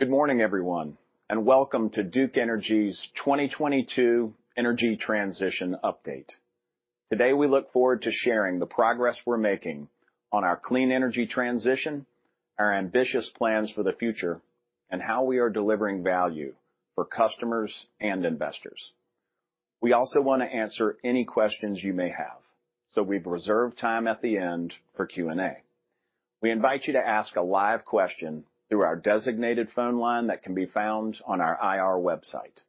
Good morning, everyone, and welcome to Duke Energy's 2022 Energy Transition Update. Today, we look forward to sharing the progress we're making on our clean energy transition, our ambitious plans for the future, and how we are delivering value for customers and investors. We also wanna answer any questions you may have, so we've reserved time at the end for Q&A. We invite you to ask a live question through our designated phone line that can be found on our IR website.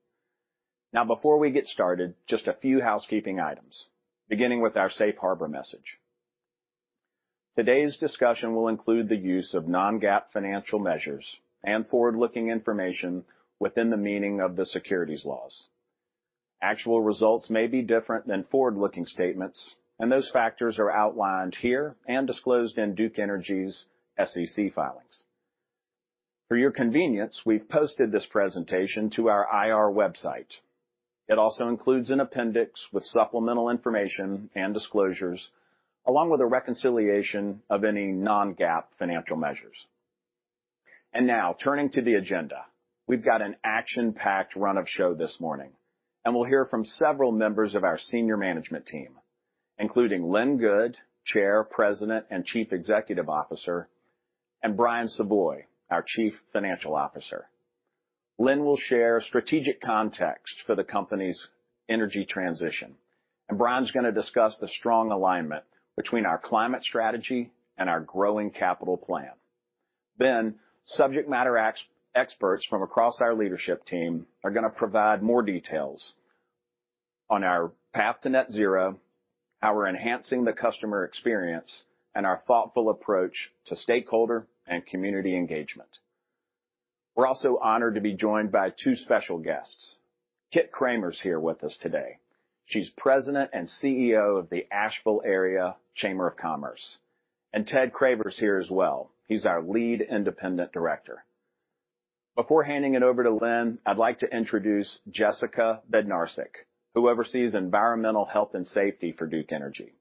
Now, before we get started, just a few housekeeping items, beginning with our safe harbor message. Today's discussion will include the use of non-GAAP financial measures and forward-looking information within the meaning of the securities laws. Actual results may be different than forward-looking statements, and those factors are outlined here and disclosed in Duke Energy's SEC filings. For your convenience, we've posted this presentation to our IR website. It also includes an appendix with supplemental information and disclosures along with a reconciliation of any non-GAAP financial measures. Now turning to the agenda. We've got an action-packed run of show this morning, and we'll hear from several members of our senior management team, including Lynn Good, Chair, President, and Chief Executive Officer, and Brian Savoy, our Chief Financial Officer. Lynn will share strategic context for the company's energy transition, and Brian's gonna discuss the strong alignment between our climate strategy and our growing capital plan. Subject matter experts from across our leadership team are gonna provide more details on our path to net zero, how we're enhancing the customer experience, and our thoughtful approach to stakeholder and community engagement. We're also honored to be joined by two special guests. Kit Cramer is here with us today. She's President and CEO of the Asheville Area Chamber of Commerce. Ted Craver is here as well. He's our Lead Independent Director. Before handing it over to Lynn, I'd like to introduce Jessica Bednarcik, who oversees Environmental Health and Safety for Duke Energy.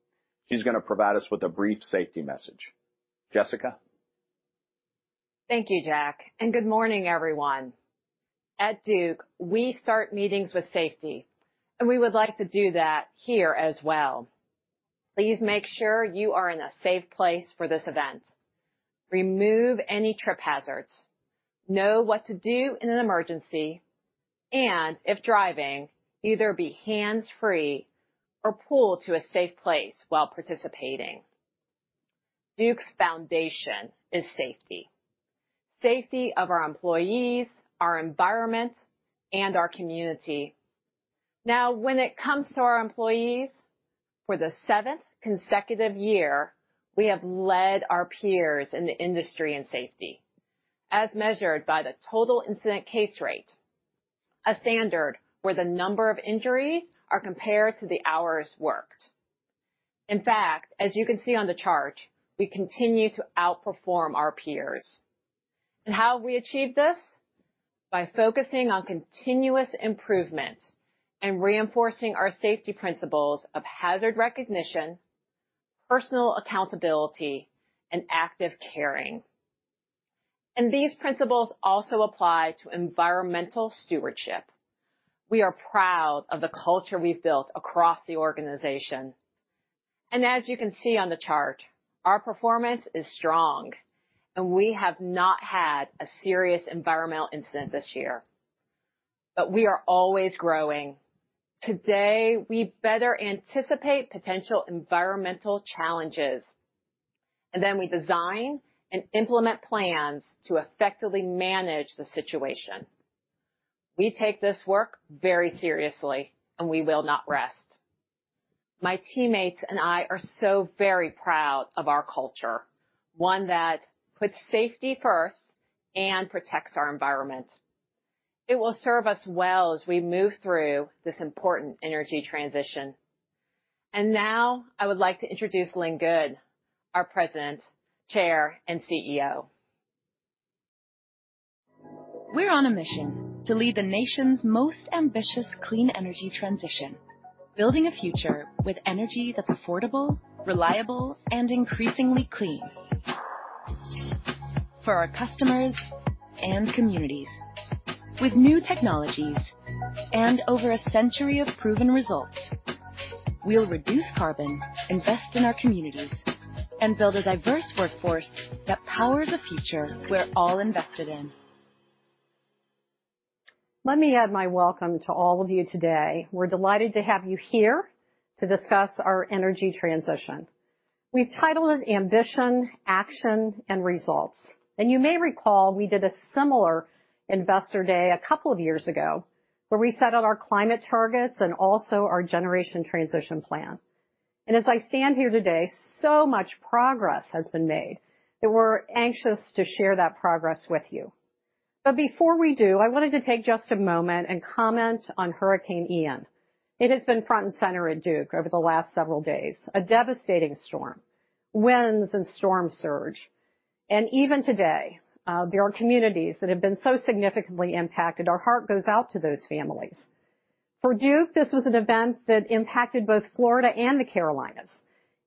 She's gonna provide us with a brief safety message. Jessica? Thank you, Jack, and good morning, everyone. At Duke, we start meetings with safety, and we would like to do that here as well. Please make sure you are in a safe place for this event. Remove any trip hazards. Know what to do in an emergency and if driving, either be hands-free or pull to a safe place while participating. Duke's foundation is safety. Safety of our employees, our environment, and our community. Now, when it comes to our employees, for the seventh consecutive year, we have led our peers in the industry in safety as measured by the total recordable incident rate, a standard where the number of injuries are compared to the hours worked. In fact, as you can see on the chart, we continue to outperform our peers. How have we achieved this? By focusing on continuous improvement and reinforcing our safety principles of hazard recognition, personal accountability, and active caring. These principles also apply to environmental stewardship. We are proud of the culture we've built across the organization. As you can see on the chart, our performance is strong, and we have not had a serious environmental incident this year. We are always growing. Today, we better anticipate potential environmental challenges, and then we design and implement plans to effectively manage the situation. We take this work very seriously, and we will not rest. My teammates and I are so very proud of our culture, one that puts safety first and protects our environment. It will serve us well as we move through this important energy transition. Now I would like to introduce Lynn Good, our President, Chair, and CEO. We're on a mission to lead the nation's most ambitious clean energy transition. Building a future with energy that's affordable, reliable, and increasingly clean for our customers and communities. With new technologies and over a century of proven results, we'll reduce carbon, invest in our communities, and build a diverse workforce that powers a future we're all invested in. Let me add my welcome to all of you today. We're delighted to have you here to discuss our energy transition. We've titled it Ambition, Action, and Results. You may recall we did a similar investor day a couple of years ago, where we set out our climate targets and also our generation transition plan. As I stand here today, so much progress has been made that we're anxious to share that progress with you. But before we do, I wanted to take just a moment and comment on Hurricane Ian. It has been front and center at Duke over the last several days. A devastating storm. Winds and storm surge. Even today, there are communities that have been so significantly impacted. Our heart goes out to those families. For Duke, this was an event that impacted both Florida and the Carolinas,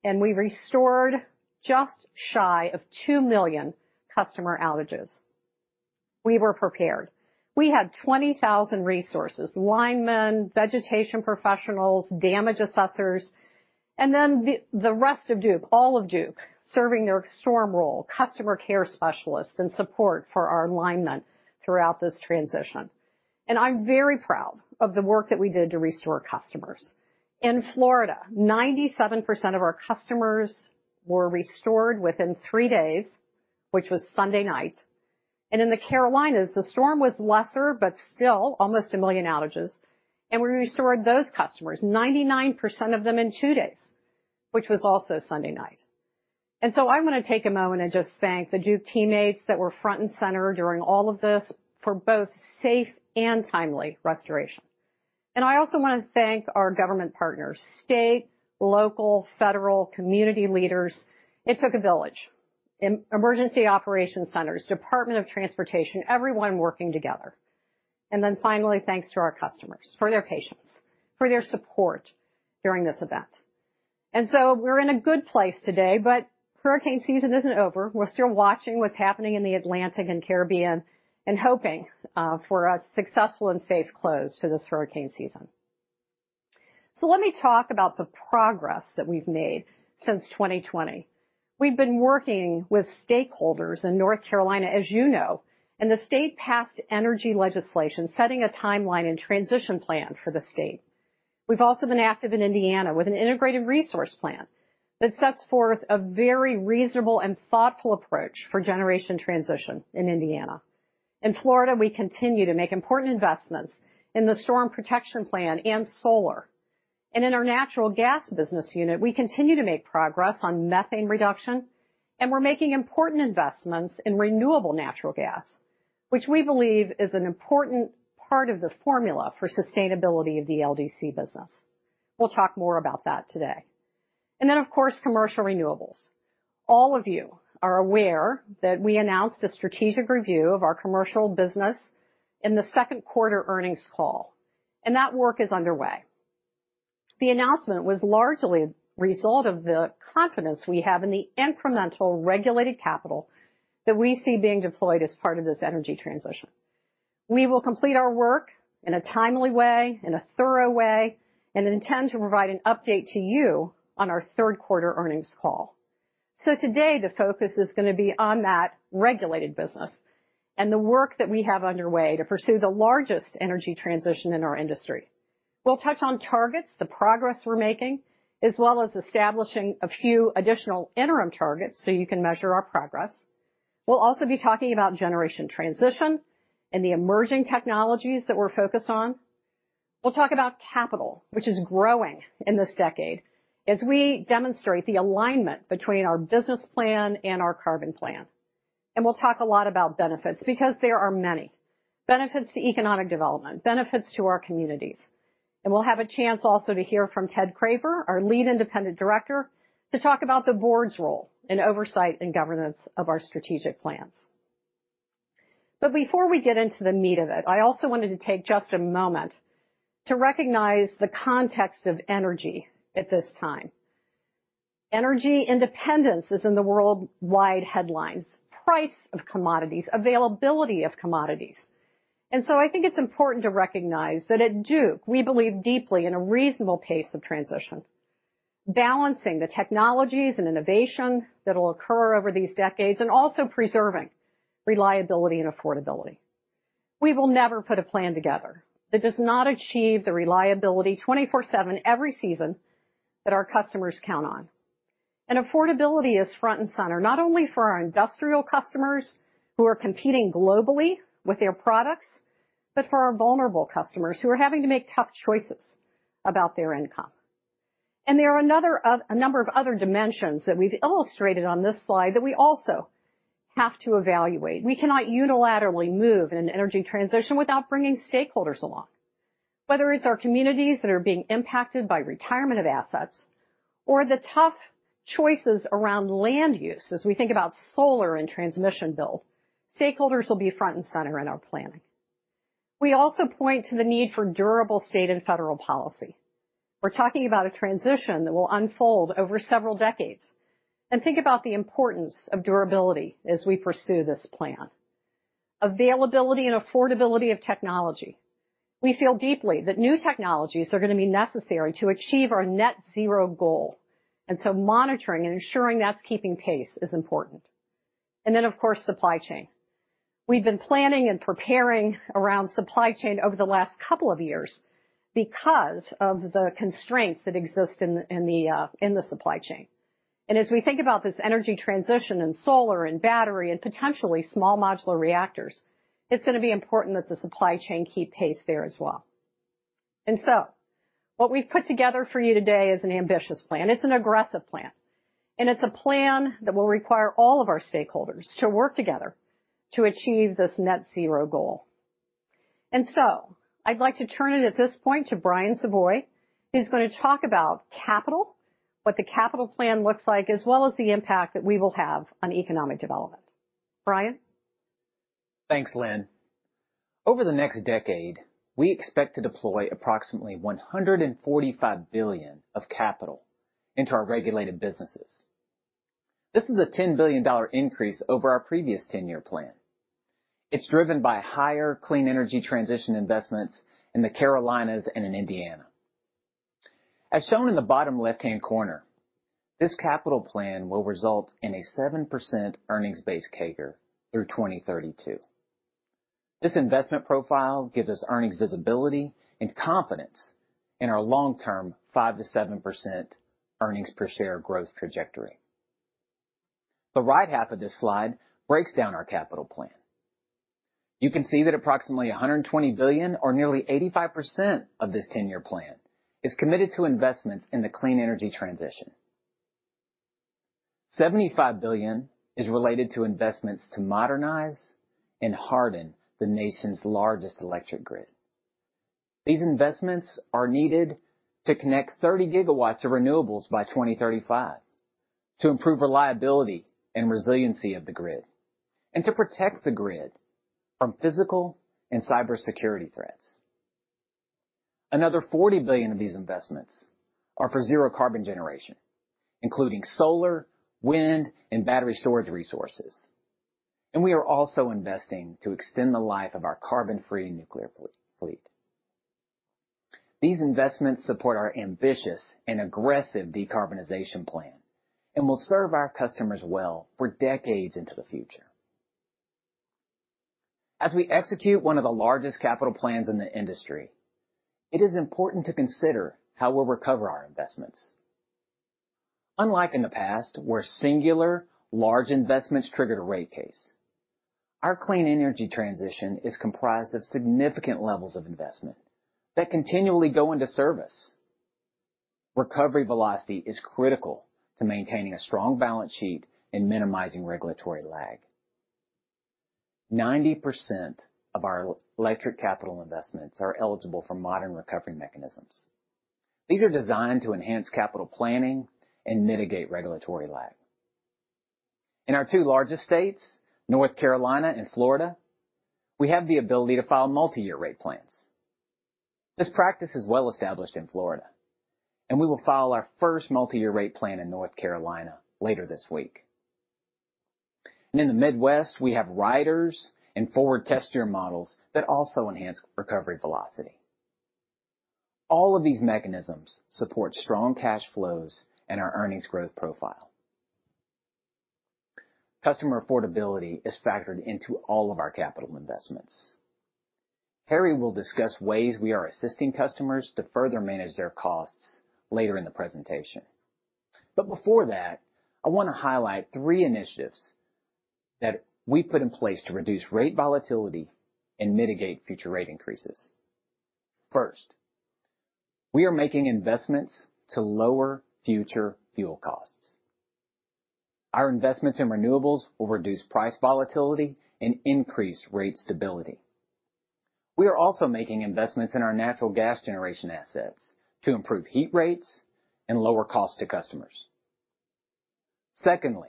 and we restored just shy of 2 million customer outages. We were prepared. We had 20,000 resources, linemen, vegetation professionals, damage assessors, and then the rest of Duke, all of Duke serving their storm role, customer care specialists and support for our linemen throughout this transition. I'm very proud of the work that we did to restore customers. In Florida, 97% of our customers were restored within three days, which was Sunday night. In the Carolinas, the storm was lesser, but still almost 1 million outages, and we restored those customers, 99% of them in two days, which was also Sunday night. I wanna take a moment and just thank the Duke teammates that were front and center during all of this for both safe and timely restoration. I also wanna thank our government partners, state, local, federal, community leaders. It took a village. Emergency operation centers, Department of Transportation, everyone working together. Finally, thanks to our customers for their patience, for their support during this event. We're in a good place today, but hurricane season isn't over. We're still watching what's happening in the Atlantic and Caribbean and hoping for a successful and safe close to this hurricane season. Let me talk about the progress that we've made since 2020. We've been working with stakeholders in North Carolina, as you know, and the state passed energy legislation setting a timeline and transition plan for the state. We've also been active in Indiana with an Integrated Resource Plan that sets forth a very reasonable and thoughtful approach for generation transition in Indiana. In Florida, we continue to make important investments in the Storm Protection Plan and solar. In our natural gas business unit, we continue to make progress on methane reduction, and we're making important investments in renewable natural gas, which we believe is an important part of the formula for sustainability of the LDC business. We'll talk more about that today. Then, of course, commercial renewables. Al of you are aware that we announced a strategic review of our commercial business in the second quarter earnings call, and that work is underway. The announcement was largely the result of the confidence we have in the incremental regulated capital that we see being deployed as part of this energy transition. We will complete our work in a timely way, in a thorough way, and intend to provide an update to you on our third quarter earnings call. Today, the focus is gonna be on that regulated business and the work that we have underway to pursue the largest energy transition in our industry. We'll touch on targets, the progress we're making, as well as establishing a few additional interim targets so you can measure our progress. We'll also be talking about generation transition and the emerging technologies that we're focused on. We'll talk about capital, which is growing in this decade as we demonstrate the alignment between our business plan and our Carbon Plan. We'll talk a lot about benefits because there are many. Benefits to economic development, benefits to our communities. We'll have a chance also to hear from Ted Craver, our Lead Independent Director, to talk about the board's role in oversight and governance of our strategic plans. Before we get into the meat of it, I also wanted to take just a moment to recognize the context of energy at this time. Energy independence is in the worldwide headlines, price of commodities, availability of commodities. I think it's important to recognize that at Duke, we believe deeply in a reasonable pace of transition, balancing the technologies and innovation that'll occur over these decades and also preserving reliability and affordability. We will never put a plan together that does not achieve the reliability 24/7 every season that our customers count on. Affordability is front and center, not only for our industrial customers who are competing globally with their products, but for our vulnerable customers who are having to make tough choices about their income. There are a number of other dimensions that we've illustrated on this slide that we also have to evaluate. We cannot unilaterally move in an energy transition without bringing stakeholders along. Whether it's our communities that are being impacted by retirement of assets or the tough choices around land use as we think about solar and transmission build, stakeholders will be front and center in our planning. We also point to the need for durable state and federal policy. We're talking about a transition that will unfold over several decades, and think about the importance of durability as we pursue this plan. Availability and affordability of technology. We feel deeply that new technologies are gonna be necessary to achieve our net zero goal, and so monitoring and ensuring that's keeping pace is important. Then, of course, supply chain. We've been planning and preparing around supply chain over the last couple of years because of the constraints that exist in the supply chain. As we think about this energy transition in solar and battery and potentially small modular reactors, it's gonna be important that the supply chain keep pace there as well. What we've put together for you today is an ambitious plan. It's an aggressive plan, and it's a plan that will require all of our stakeholders to work together to achieve this net zero goal. I'd like to turn it over at this point to Brian Savoy, who's gonna talk about capital, what the capital plan looks like, as well as the impact that we will have on economic development. Brian? Thanks, Lynn. Over the next decade, we expect to deploy approximately $145 billion of capital into our regulated businesses. This is a $10 billion increase over our previous ten-year plan. It's driven by higher clean energy transition investments in the Carolinas and in Indiana. As shown in the bottom left-hand corner, this capital plan will result in a 7% earnings-based CAGR through 2032. This investment profile gives us earnings visibility and confidence in our long-term 5%-7% earnings per share growth trajectory. The right half of this slide breaks down our capital plan. You can see that approximately $120 billion or nearly 85% of this ten-year plan is committed to investments in the clean energy transition. $75 billion is related to investments to modernize and harden the nation's largest electric grid. These investments are needed to connect 30 GW of renewables by 2035, to improve reliability and resiliency of the grid, and to protect the grid from physical and cybersecurity threats. Another $40 billion of these investments are for zero carbon generation, including solar, wind, and battery storage resources. We are also investing to extend the life of our carbon-free nuclear fleet. These investments support our ambitious and aggressive decarbonization plan and will serve our customers well for decades into the future. As we execute one of the largest capital plans in the industry, it is important to consider how we'll recover our investments. Unlike in the past, where singular large investments triggered a rate case, our clean energy transition is comprised of significant levels of investment that continually go into service. Recovery velocity is critical to maintaining a strong balance sheet and minimizing regulatory lag. 90% of our electric capital investments are eligible for modern recovery mechanisms. These are designed to enhance capital planning and mitigate regulatory lag. In our two largest states, North Carolina and Florida, we have the ability to file multi-year rate plans. This practice is well established in Florida, and we will file our first multi-year rate plan in North Carolina later this week. In the Midwest, we have riders and forward test year models that also enhance recovery velocity. All of these mechanisms support strong cash flows and our earnings growth profile. Customer affordability is factored into all of our capital investments. Harry will discuss ways we are assisting customers to further manage their costs later in the presentation. Before that, I wanna highlight three initiatives that we put in place to reduce rate volatility and mitigate future rate increases. First, we are making investments to lower future fuel costs. Our investments in renewables will reduce price volatility and increase rate stability. We are also making investments in our natural gas generation assets to improve heat rates and lower costs to customers. Secondly,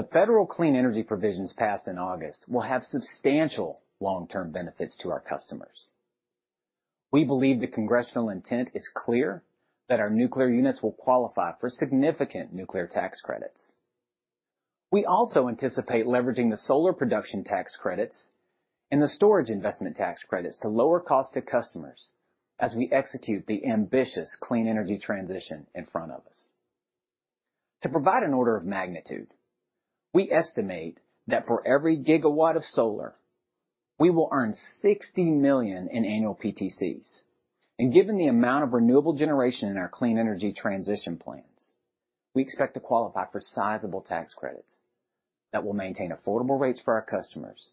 the federal clean energy provisions passed in August will have substantial long-term benefits to our customers. We believe the congressional intent is clear that our nuclear units will qualify for significant nuclear tax credits. We also anticipate leveraging the solar production tax credits and the storage investment tax credits to lower cost to customers as we execute the ambitious clean energy transition in front of us. To provide an order of magnitude, we estimate that for every gigawatt of solar, we will earn $60 million in annual PTCs. Given the amount of renewable generation in our clean energy transition plans, we expect to qualify for sizable tax credits that will maintain affordable rates for our customers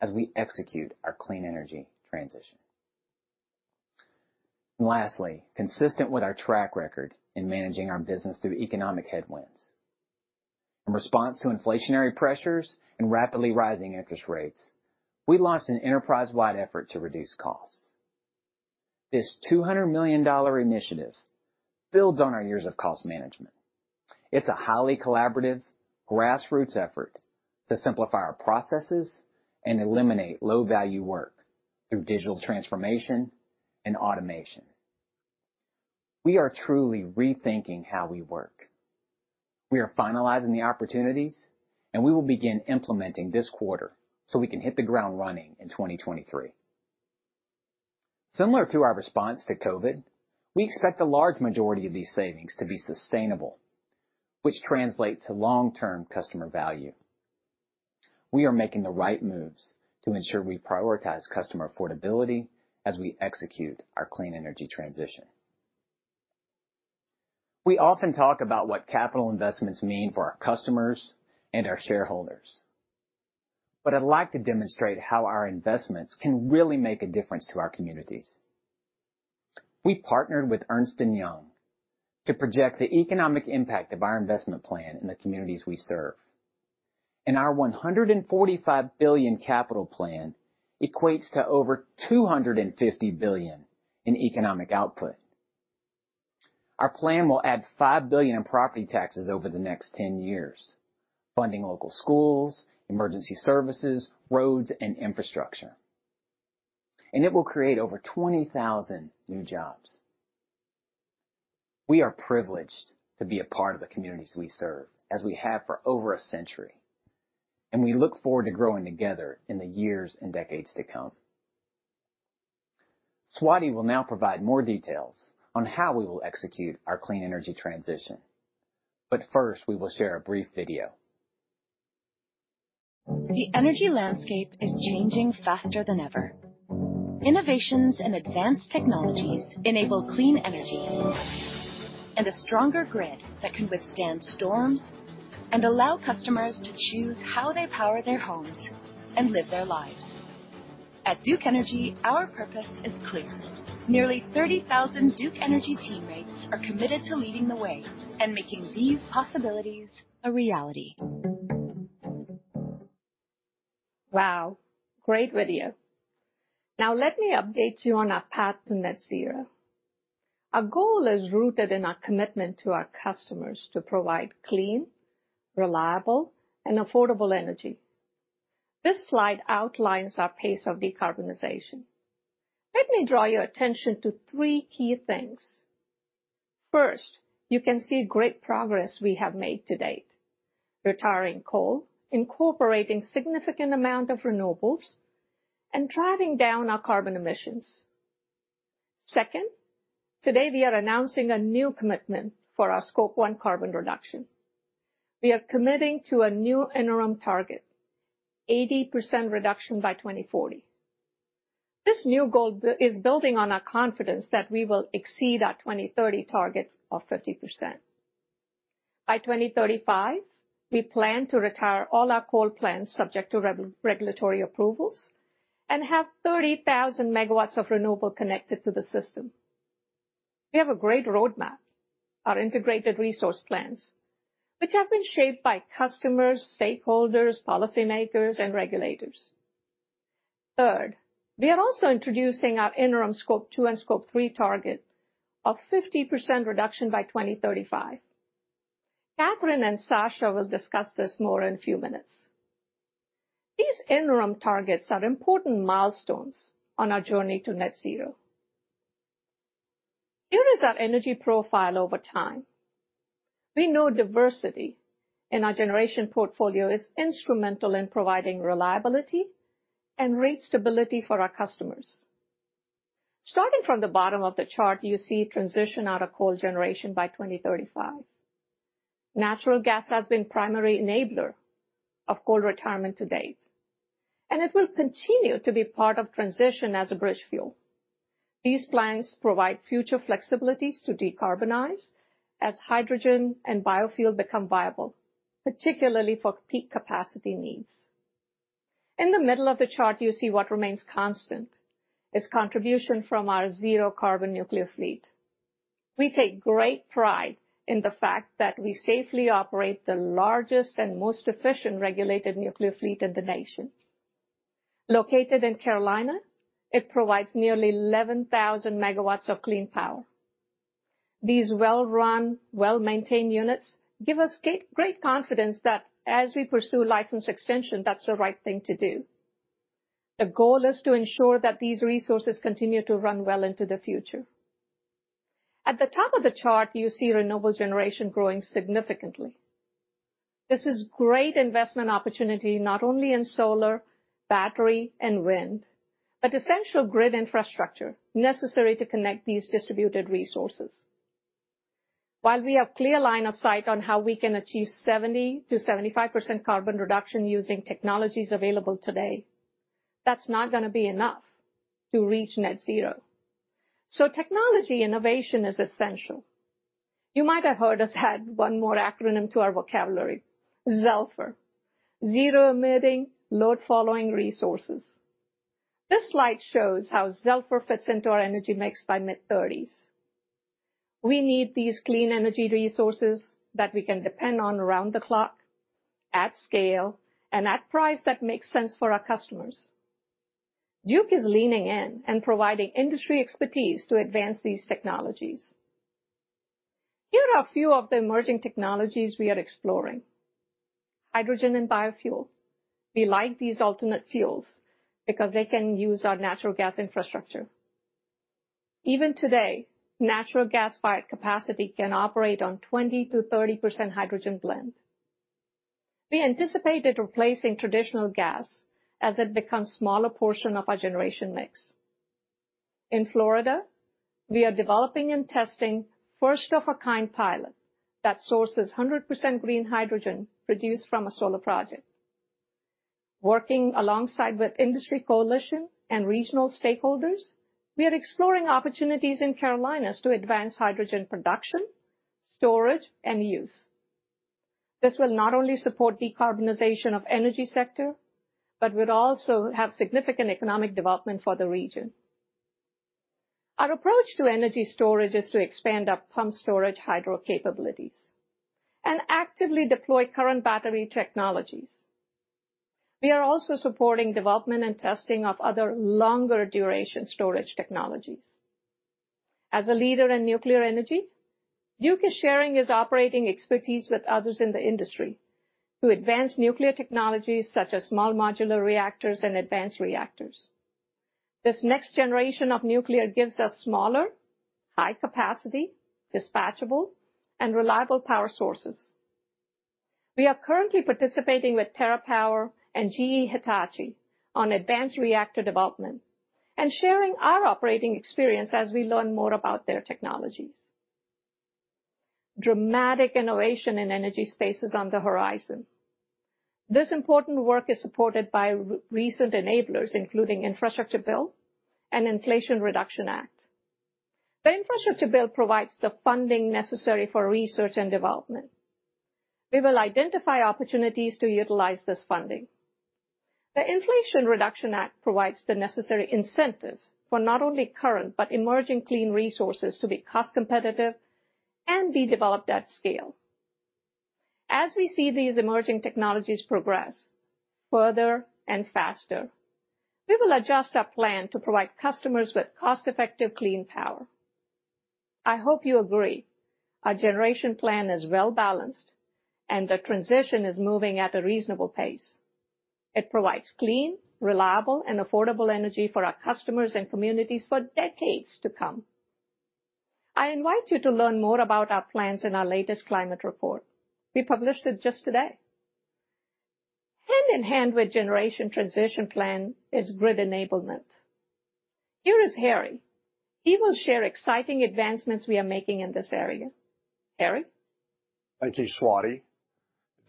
as we execute our clean energy transition. Lastly, consistent with our track record in managing our business through economic headwinds. In response to inflationary pressures and rapidly rising interest rates, we launched an enterprise-wide effort to reduce costs. This $200 million initiative builds on our years of cost management. It's a highly collaborative grassroots effort to simplify our processes and eliminate low-value work through digital transformation and automation. We are truly rethinking how we work. We are finalizing the opportunities, and we will begin implementing this quarter, so we can hit the ground running in 2023. Similar to our response to COVID, we expect a large majority of these savings to be sustainable, which translates to long-term customer value. We are making the right moves to ensure we prioritize customer affordability as we execute our clean energy transition. We often talk about what capital investments mean for our customers and our shareholders, but I'd like to demonstrate how our investments can really make a difference to our communities. We partnered with Ernst & Young to project the economic impact of our investment plan in the communities we serve. Our $145 billion capital plan equates to over $250 billion in economic output. Our plan will add $5 billion in property taxes over the next 10 years, funding local schools, emergency services, roads and infrastructure. It will create over 20,000 new jobs. We are privileged to be a part of the communities we serve, as we have for over a century, and we look forward to growing together in the years and decades to come. Swati will now provide more details on how we will execute our clean energy transition. First, we will share a brief video. The energy landscape is changing faster than ever. Innovations in advanced technologies enable clean energy and a stronger grid that can withstand storms and allow customers to choose how they power their homes and live their lives. At Duke Energy, our purpose is clear. Nearly 30,000 Duke Energy teammates are committed to leading the way and making these possibilities a reality. Wow, great video. Now let me update you on our path to net zero. Our goal is rooted in our commitment to our customers to provide clean, reliable and affordable energy. This slide outlines our pace of decarbonization. Let me draw your attention to three key things. First, you can see great progress we have made to date. Retiring coal, incorporating significant amount of renewables, and driving down our carbon emissions. Second, today we are announcing a new commitment for our Scope one carbon reduction. We are committing to a new interim target, 80% reduction by 2040. This new goal is building on our confidence that we will exceed our 2030 target of 50%. By 2035, we plan to retire all our coal plants subject to regulatory approvals and have 30,000 MW of renewable connected to the system. We have a great roadmap. Our integrated resource plans, which have been shaped by customers, stakeholders, policymakers and regulators. Third, we are also introducing our interim Scope two and Scope three target of 50% reduction by 2035. Katherine and Sasha will discuss this more in a few minutes. These interim targets are important milestones on our journey to net zero. Here is our energy profile over time. We know diversity in our generation portfolio is instrumental in providing reliability and rate stability for our customers. Starting from the bottom of the chart, you see transition out of coal generation by 2035. Natural gas has been primary enabler of coal retirement to date, and it will continue to be part of transition as a bridge fuel. These plans provide future flexibilities to decarbonize as hydrogen and biofuel become viable, particularly for peak capacity needs. In the middle of the chart, you see what remains constant is contribution from our zero carbon nuclear fleet. We take great pride in the fact that we safely operate the largest and most efficient regulated nuclear fleet in the nation. Located in Carolina, it provides nearly 11,000 MW of clean power. These well-run, well-maintained units give us great confidence that as we pursue license extension, that's the right thing to do. The goal is to ensure that these resources continue to run well into the future. At the top of the chart, you see renewable generation growing significantly. This is great investment opportunity not only in solar, battery and wind, but essential grid infrastructure necessary to connect these distributed resources. While we have clear line of sight on how we can achieve 70%-75% carbon reduction using technologies available today, that's not gonna be enough to reach net zero. Technology innovation is essential. You might have heard us add one more acronym to our vocabulary, ZELFR, Zero Emitting Load Following Resources. This slide shows how ZELFR fits into our energy mix by mid-2030s. We need these clean energy resources that we can depend on around the clock, at scale, and at price that makes sense for our customers. Duke is leaning in and providing industry expertise to advance these technologies. Here are a few of the emerging technologies we are exploring. Hydrogen and biofuel. We like these alternate fuels because they can use our natural gas infrastructure. Even today, natural gas-fired capacity can operate on 20%-30% hydrogen blend. We anticipate it replacing traditional gas as it becomes smaller portion of our generation mix. In Florida, we are developing and testing first of a kind pilot that sources 100% green hydrogen produced from a solar project. Working alongside with industry coalition and regional stakeholders, we are exploring opportunities in Carolinas to advance hydrogen production, storage and use. This will not only support decarbonization of energy sector, but would also have significant economic development for the region. Our approach to energy storage is to expand our pumped storage hydro capabilities and actively deploy current battery technologies. We are also supporting development and testing of other longer duration storage technologies. As a leader in nuclear energy, Duke is sharing its operating expertise with others in the industry to advance nuclear technologies such as small modular reactors and advanced reactors. This next generation of nuclear gives us smaller, high capacity, dispatchable, and reliable power sources. We are currently participating with TerraPower and GE Hitachi on advanced reactor development and sharing our operating experience as we learn more about their technologies. Dramatic innovation in energy space is on the horizon. This important work is supported by recent enablers, including infrastructure bill and Inflation Reduction Act. The infrastructure bill provides the funding necessary for research and development. We will identify opportunities to utilize this funding. The Inflation Reduction Act provides the necessary incentives for not only current, but emerging clean resources to be cost competitive and be developed at scale. As we see these emerging technologies progress further and faster, we will adjust our plan to provide customers with cost-effective clean power. I hope you agree our generation plan is well-balanced and the transition is moving at a reasonable pace. It provides clean, reliable, and affordable energy for our customers and communities for decades to come. I invite you to learn more about our plans in our latest climate report. We published it just today. Hand in hand with generation transition plan is grid enablement. Here is Harry. He will share exciting advancements we are making in this area. Harry? Thank you, Swati.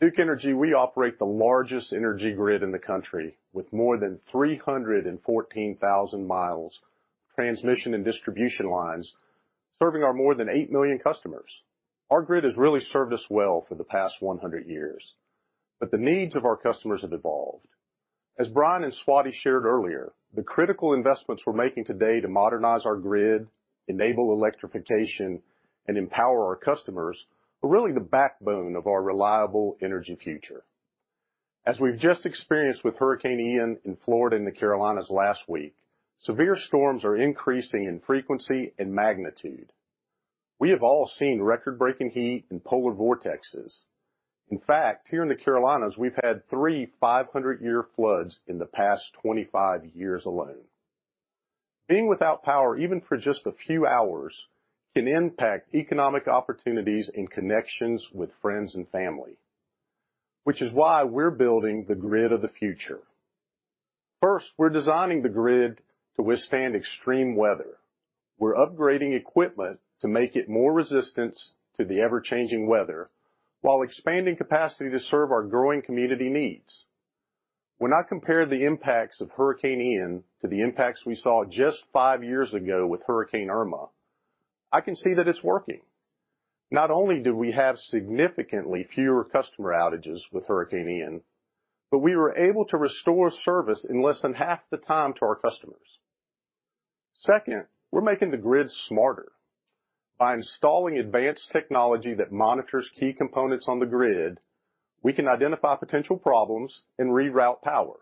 At Duke Energy, we operate the largest energy grid in the country with more than 314,000 miles of transmission and distribution lines serving our more than 8 million customers. Our grid has really served us well for the past 100 years, but the needs of our customers have evolved. As Brian and Swati shared earlier, the critical investments we're making today to modernize our grid, enable electrification, and empower our customers are really the backbone of our reliable energy future. As we've just experienced with Hurricane Ian in Florida and the Carolinas last week, severe storms are increasing in frequency and magnitude. We have all seen record-breaking heat and polar vortexes. In fact, here in the Carolinas, we've had three 500-year floods in the past 25 years alone. Being without power, even for just a few hours, can impact economic opportunities and connections with friends and family, which is why we're building the grid of the future. First, we're designing the grid to withstand extreme weather. We're upgrading equipment to make it more resistant to the ever-changing weather while expanding capacity to serve our growing community needs. When I compare the impacts of Hurricane Ian to the impacts we saw just five years ago with Hurricane Irma, I can see that it's working. Not only do we have significantly fewer customer outages with Hurricane Ian, but we were able to restore service in less than half the time to our customers. Second, we're making the grid smarter. By installing advanced technology that monitors key components on the grid, we can identify potential problems and reroute power.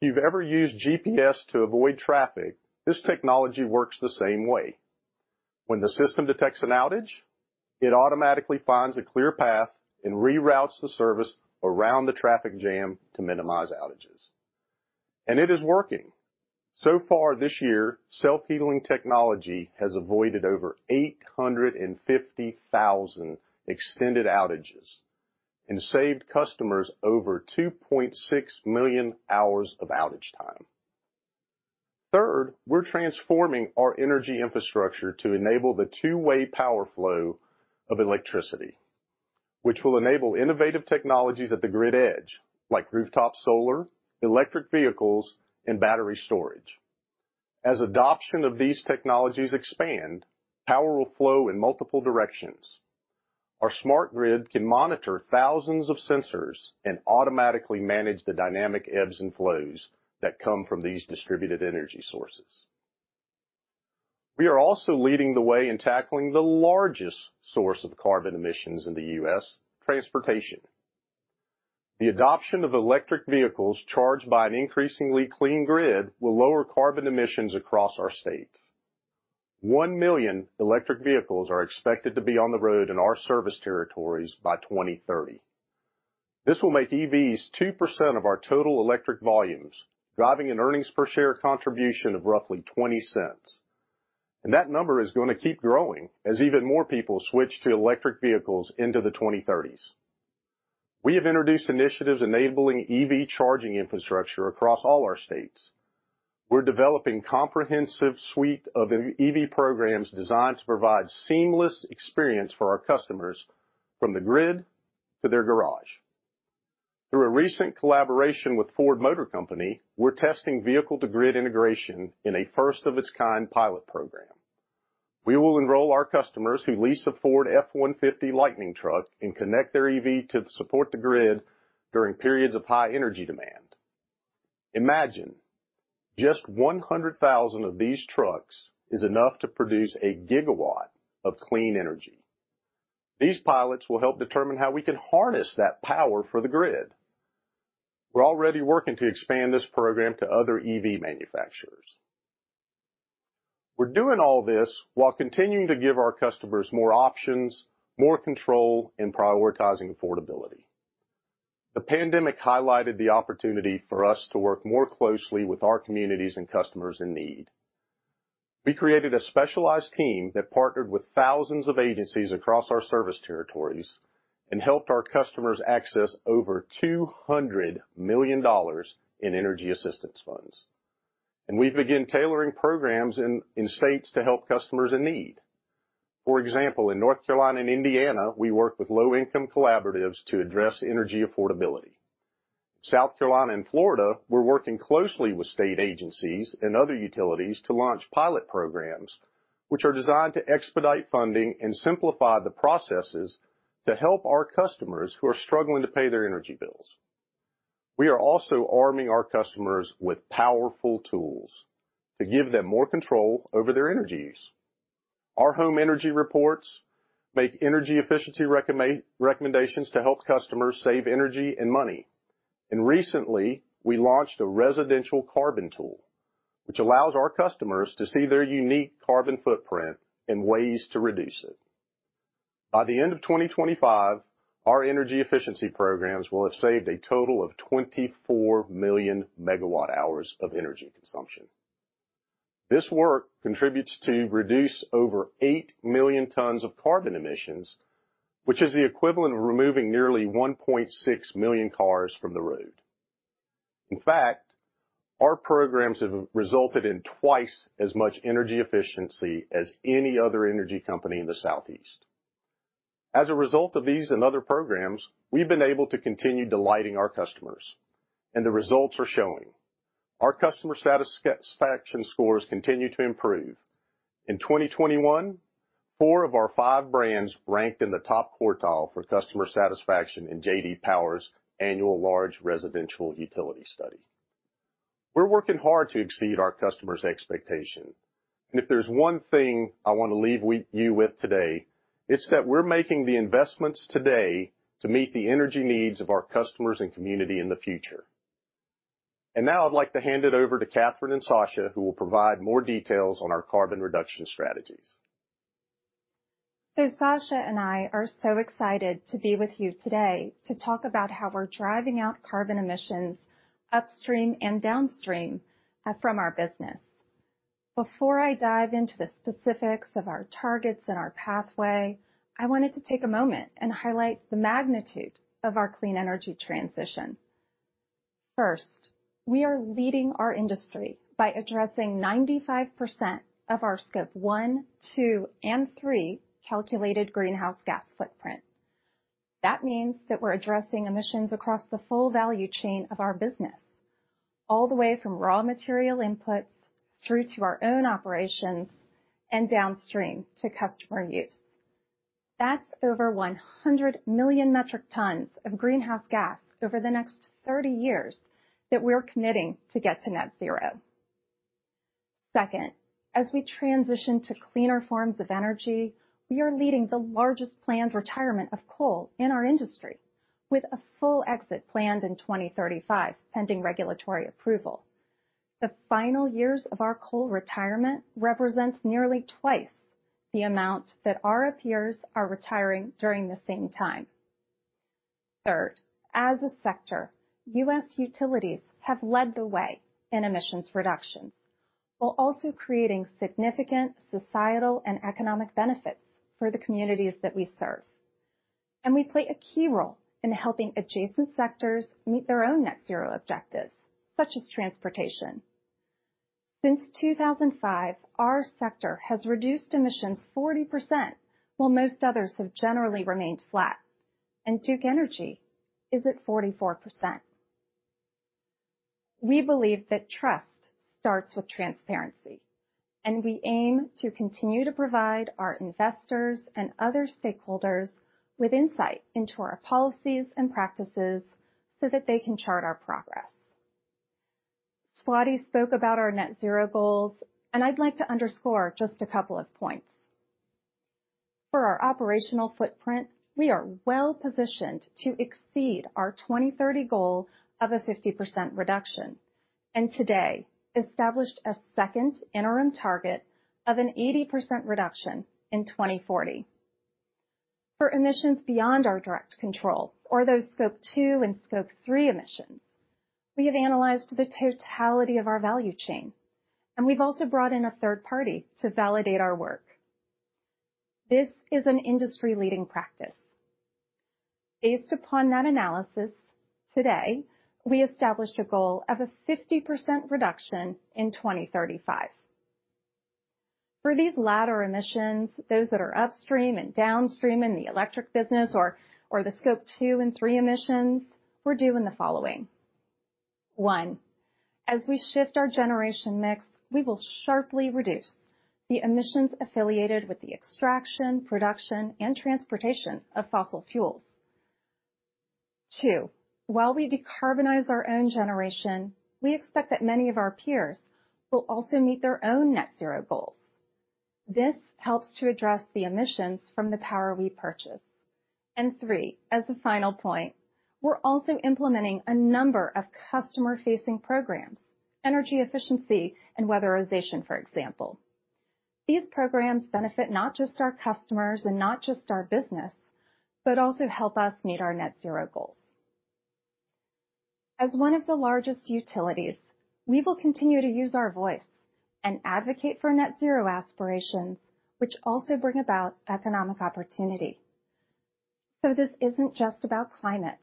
If you've ever used GPS to avoid traffic, this technology works the same way. When the system detects an outage, it automatically finds a clear path and reroutes the service around the traffic jam to minimize outages. It is working. So far this year, self-healing technology has avoided over 850,000 extended outages and saved customers over 2.6 million hours of outage time. Third, we're transforming our energy infrastructure to enable the two-way power flow of electricity, which will enable innovative technologies at the grid edge, like rooftop solar, electric vehicles, and battery storage. As adoption of these technologies expand, power will flow in multiple directions. Our smart grid can monitor thousands of sensors and automatically manage the dynamic ebbs and flows that come from these distributed energy sources. We are also leading the way in tackling the largest source of carbon emissions in the U.S., transportation. The adoption of electric vehicles charged by an increasingly clean grid will lower carbon emissions across our states. 1 million electric vehicles are expected to be on the road in our service territories by 2030. This will make EVs 2% of our total electric volumes, driving an earnings per share contribution of roughly $0.20. That number is gonna keep growing as even more people switch to electric vehicles into the 2030s. We have introduced initiatives enabling EV charging infrastructure across all our states. We're developing comprehensive suite of EV programs designed to provide seamless experience for our customers from the grid to their garage. Through a recent collaboration with Ford Motor Company, we're testing vehicle-to-grid integration in a first-of-its-kind pilot program. We will enroll our customers who lease a Ford F-150 Lightning truck and connect their EV to support the grid during periods of high energy demand. Imagine just 100,000 of these trucks is enough to produce a gigawatt of clean energy. These pilots will help determine how we can harness that power for the grid. We're already working to expand this program to other EV manufacturers. We're doing all this while continuing to give our customers more options, more control in prioritizing affordability. The pandemic highlighted the opportunity for us to work more closely with our communities and customers in need. We created a specialized team that partnered with thousands of agencies across our service territories and helped our customers access over $200 million in energy assistance funds. We've began tailoring programs in states to help customers in need. For example, in North Carolina and Indiana, we work with low-income collaboratives to address energy affordability. South Carolina and Florida, we're working closely with state agencies and other utilities to launch pilot programs which are designed to expedite funding and simplify the processes to help our customers who are struggling to pay their energy bills. We are also arming our customers with powerful tools to give them more control over their energy use. Our home energy reports make energy efficiency recommendations to help customers save energy and money. Recently, we launched a residential carbon tool, which allows our customers to see their unique carbon footprint and ways to reduce it. By the end of 2025, our energy efficiency programs will have saved a total of 24 million MW hours of energy consumption. This work contributes to reduce over 8 million tons of carbon emissions, which is the equivalent of removing nearly 1.6 million cars from the road. In fact, our programs have resulted in twice as much energy efficiency as any other energy company in the Southeast. As a result of these and other programs, we've been able to continue delighting our customers, and the results are showing. Our customer satisfaction scores continue to improve. In 2021, four of our five brands ranked in the top quartile for customer satisfaction in J.D. Power's annual Large Residential Utility Study. We're working hard to exceed our customers' expectation, and if there's one thing I want to leave you with today, it's that we're making the investments today to meet the energy needs of our customers and community in the future. Now I'd like to hand it over to Catherine and Sasha, who will provide more details on our carbon reduction strategies. Sasha and I are so excited to be with you today to talk about how we're driving out carbon emissions upstream and downstream from our business. Before I dive into the specifics of our targets and our pathway, I wanted to take a moment and highlight the magnitude of our clean energy transition. First, we are leading our industry by addressing 95% of our Scope one, two, and three calculated greenhouse gas footprint. That means that we're addressing emissions across the full value chain of our business, all the way from raw material inputs through to our own operations and downstream to customer use. That's over 100 million metric tons of greenhouse gas over the next 30 years that we're committing to get to net zero. Second, as we transition to cleaner forms of energy, we are leading the largest planned retirement of coal in our industry with a full exit planned in 2035, pending regulatory approval. The final years of our coal retirement represents nearly twice the amount that our peers are retiring during the same time. Third, as a sector, U.S. utilities have led the way in emissions reductions while also creating significant societal and economic benefits for the communities that we serve. We play a key role in helping adjacent sectors meet their own net zero objectives, such as transportation. Since 2005, our sector has reduced emissions 40% while most others have generally remained flat. Duke Energy is at 44%. We believe that trust starts with transparency, and we aim to continue to provide our investors and other stakeholders with insight into our policies and practices so that they can chart our progress. Swati spoke about our net zero goals, and I'd like to underscore just a couple of points. For our operational footprint, we are well-positioned to exceed our 2030 goal of a 50% reduction, and today established a second interim target of an 80% reduction in 2040. For emissions beyond our direct control or those Scope two and Scope three emissions, we have analyzed the totality of our value chain, and we've also brought in a third party to validate our work. This is an industry-leading practice. Based upon that analysis, today, we established a goal of a 50% reduction in 2035. For these latter emissions, those that are upstream and downstream in the electric business or the Scope two and Scope three emissions, we're doing the following. One, as we shift our generation mix, we will sharply reduce the emissions affiliated with the extraction, production, and transportation of fossil fuels. Two, while we decarbonize our own generation, we expect that many of our peers will also meet their own net zero goals. This helps to address the emissions from the power we purchase. Three, as a final point, we're also implementing a number of customer-facing programs, energy efficiency and weatherization, for example. These programs benefit not just our customers and not just our business, but also help us meet our net zero goals. As one of the largest utilities, we will continue to use our voice and advocate for net zero aspirations, which also bring about economic opportunity. This isn't just about climate.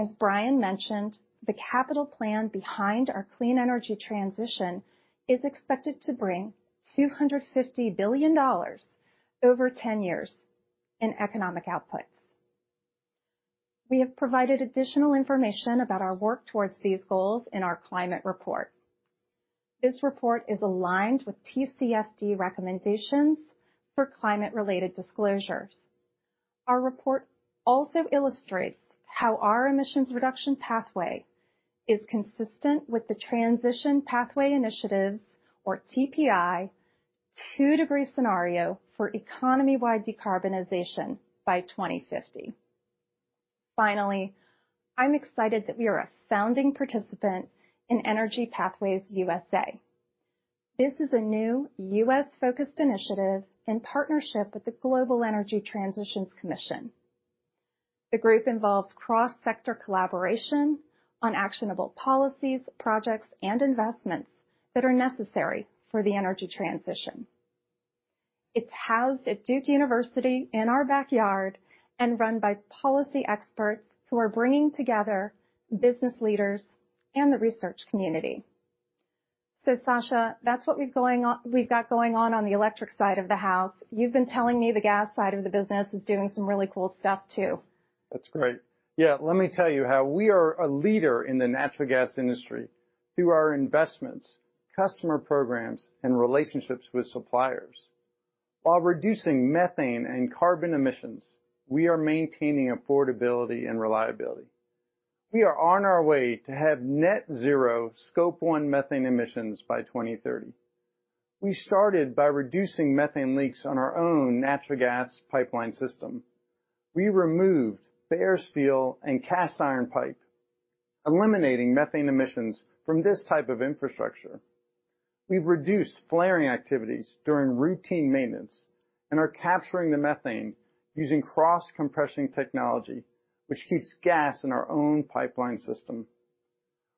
As Brian mentioned, the capital plan behind our clean energy transition is expected to bring $250 billion over 10 years in economic outputs. We have provided additional information about our work towards these goals in our climate report. This report is aligned with TCFD recommendations for climate-related disclosures. Our report also illustrates how our emissions reduction pathway is consistent with the Transition Pathway Initiative's, or TPI, 2-degree scenario for economy-wide decarbonization by 2050. Finally, I'm excited that we are a founding participant in Energy Pathways USA. This is a new U.S.-focused initiative in partnership with the Energy Transitions Commission. The group involves cross-sector collaboration on actionable policies, projects, and investments that are necessary for the energy transition. It's housed at Duke University in ur backyard and run by policy experts who are bringing together business leaders and the research community. Sasha, that's what we've got going on on the electric side of the house. You've been telling me the gas side of the business is doing some really cool stuff too. That's great. Yeah, let me tell you how we are a leader in the natural gas industry through our investments, customer programs, and relationships with suppliers. While reducing methane and carbon emissions, we are maintaining affordability and reliability. We are on our way to have net zero Scope 1 methane emissions by 2030. We started by reducing methane leaks on our own natural gas pipeline system. We removed bare steel and cast iron pipe, eliminating methane emissions from this type of infrastructure. We've reduced flaring activities during routine maintenance and are capturing the methane using cross-compression technology, which keeps gas in our own pipeline system.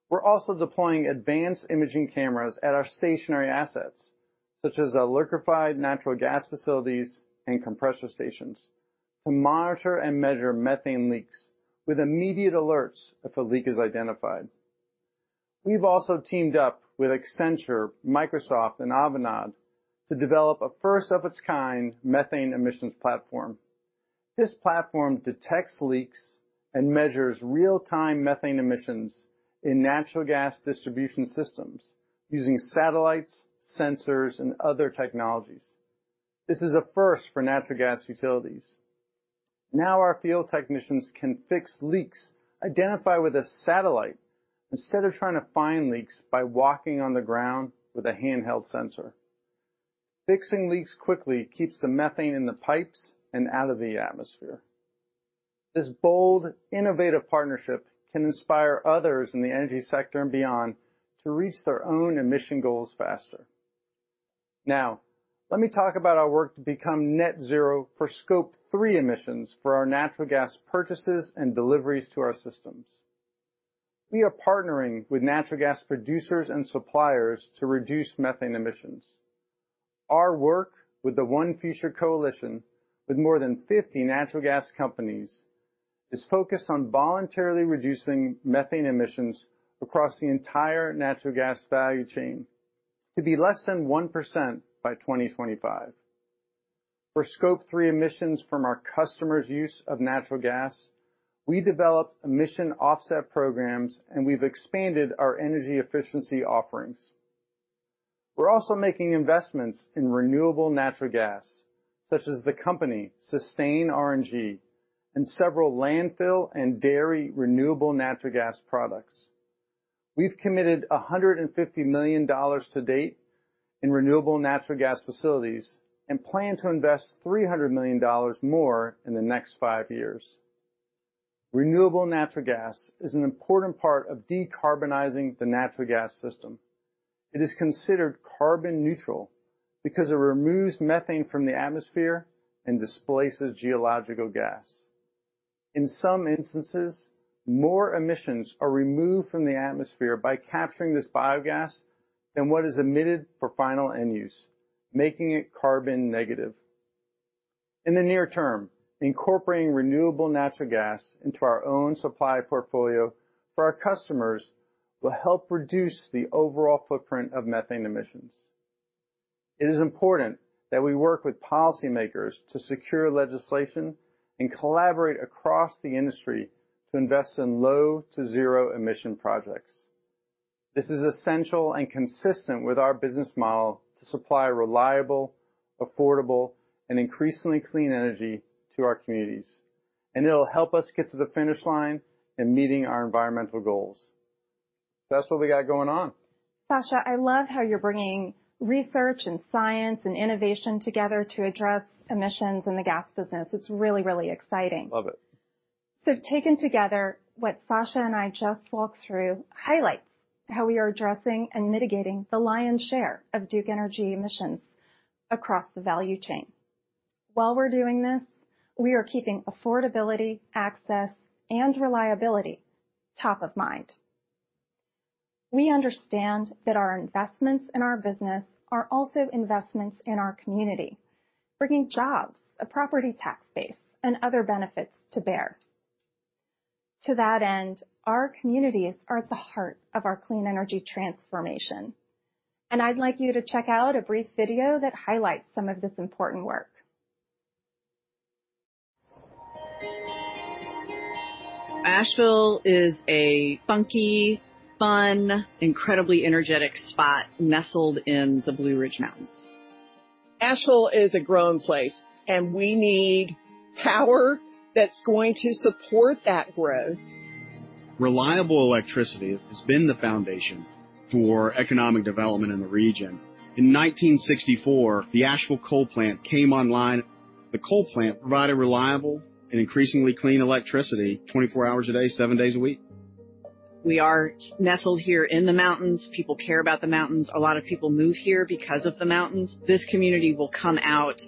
We're also deploying advanced imaging cameras at our stationary assets, such as our liquefied natural gas facilities and compressor stations, to monitor and measure methane leaks with immediate alerts if a leak is identified. We've also teamed up with Accenture, Microsoft, and Avanade to develop a first-of-its-kind methane emissions platform. This platform detects leaks and measures real-time methane emissions in natural gas distribution systems using satellites, sensors, and other technologies. This is a first for natural gas utilities. Now our field technicians can fix leaks identified with a satellite instead of trying to find leaks by walking on the ground with a handheld sensor. Fixing leaks quickly keeps the methane in the pipes and out of the atmosphere. This bold, innovative partnership can inspire others in the energy sector and beyond to reach their own emission goals faster. Now, let me talk about our work to become net-zero for Scope three emissions for our natural gas purchases and deliveries to our systems. We are partnering with natural gas producers and suppliers to reduce methane emissions. Our work with the ONE Future Coalition, with more than 50 natural gas companies, is focused on voluntarily reducing methane emissions across the entire natural gas value chain to be less than 1% by 2025. For Scope three emissions from our customers' use of natural gas, we developed emission offset programs, and we've expanded our energy efficiency offerings. We're also making investments in renewable natural gas, such as the company SustainRNG and several landfill and dairy renewable natural gas products. We've committed $150 million to date in renewable natural gas facilities and plan to invest $300 million more in the next five years. Renewable natural gas is an important part of decarbonizing the natural gas system. It is considered carbon neutral because it removes methane from the atmosphere and displaces geological gas. In some instances, more emissions are removed from the atmosphere by capturing this biogas than what is emitted for final end use, making it carbon negative. In the near term, incorporating renewable natural gas into our own supply portfolio for our customers will help reduce the overall footprint of methane emissions. It is important that we work with policymakers to secure legislation and collaborate across the industry to invest in low to zero emission projects. This is essential and consistent with our business model to supply reliable, affordable and increasingly clean energy to our communities, and it'll help us get to the finish line in meeting our environmental goals. That's what we got going on. Sasha, I love how you're bringing research and science and innovation together to address emissions in the gas business. It's really, really exciting. Love it. Taken together, what Sasha and I just walked through highlights how we are addressing and mitigating the lion's share of Duke Energy emissions across the value chain. While we're doing this, we are keeping affordability, access, and reliability top of mind. We understand that our investments in our business are also investments in our community, bringing jobs, a property tax base and other benefits to bear. To that end, our communities are at the heart of our clean energy transformation, and I'd like you to check out a brief video that highlights some of this important work. Asheville is a funky, fun, incredibly energetic spot nestled in the Blue Ridge Mountains. Asheville is a growing place, and we need power that's going to support that growth. Reliable electricity has been the foundation for economic development in the region. In 1964, the Asheville Coal Plant came online. The coal plant provided reliable and increasingly clean electricity 24 hours a day, seven days a week. We are nestled here in the mountains. People care about the mountains. A lot of people move here because of the mountains. This community will come out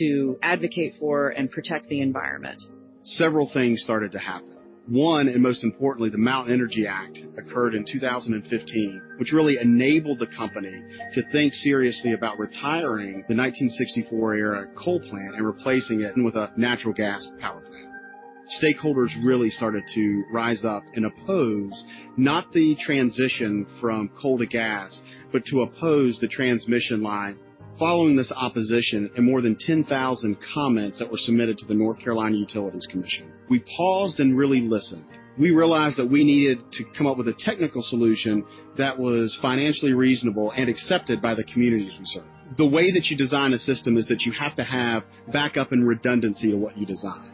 to advocate for and protect the environment. Several things started to happen. One, and most importantly, the Mountain Energy Act occurred in 2015, which really enabled the company to think seriously about retiring the 1964 era coal plant and replacing it with a natural gas power plant. Stakeholders really started to rise up and oppose not the transition from coal to gas, but to oppose the transmission line. Following this opposition and more than 10,000 comments that were submitted to the North Carolina Utilities Commission, we paused and really listened. We realized that we needed to come up with a technical solution that was financially reasonable and accepted by the communities we serve. The way that you design a system is that you have to have backup and redundancy to what you design.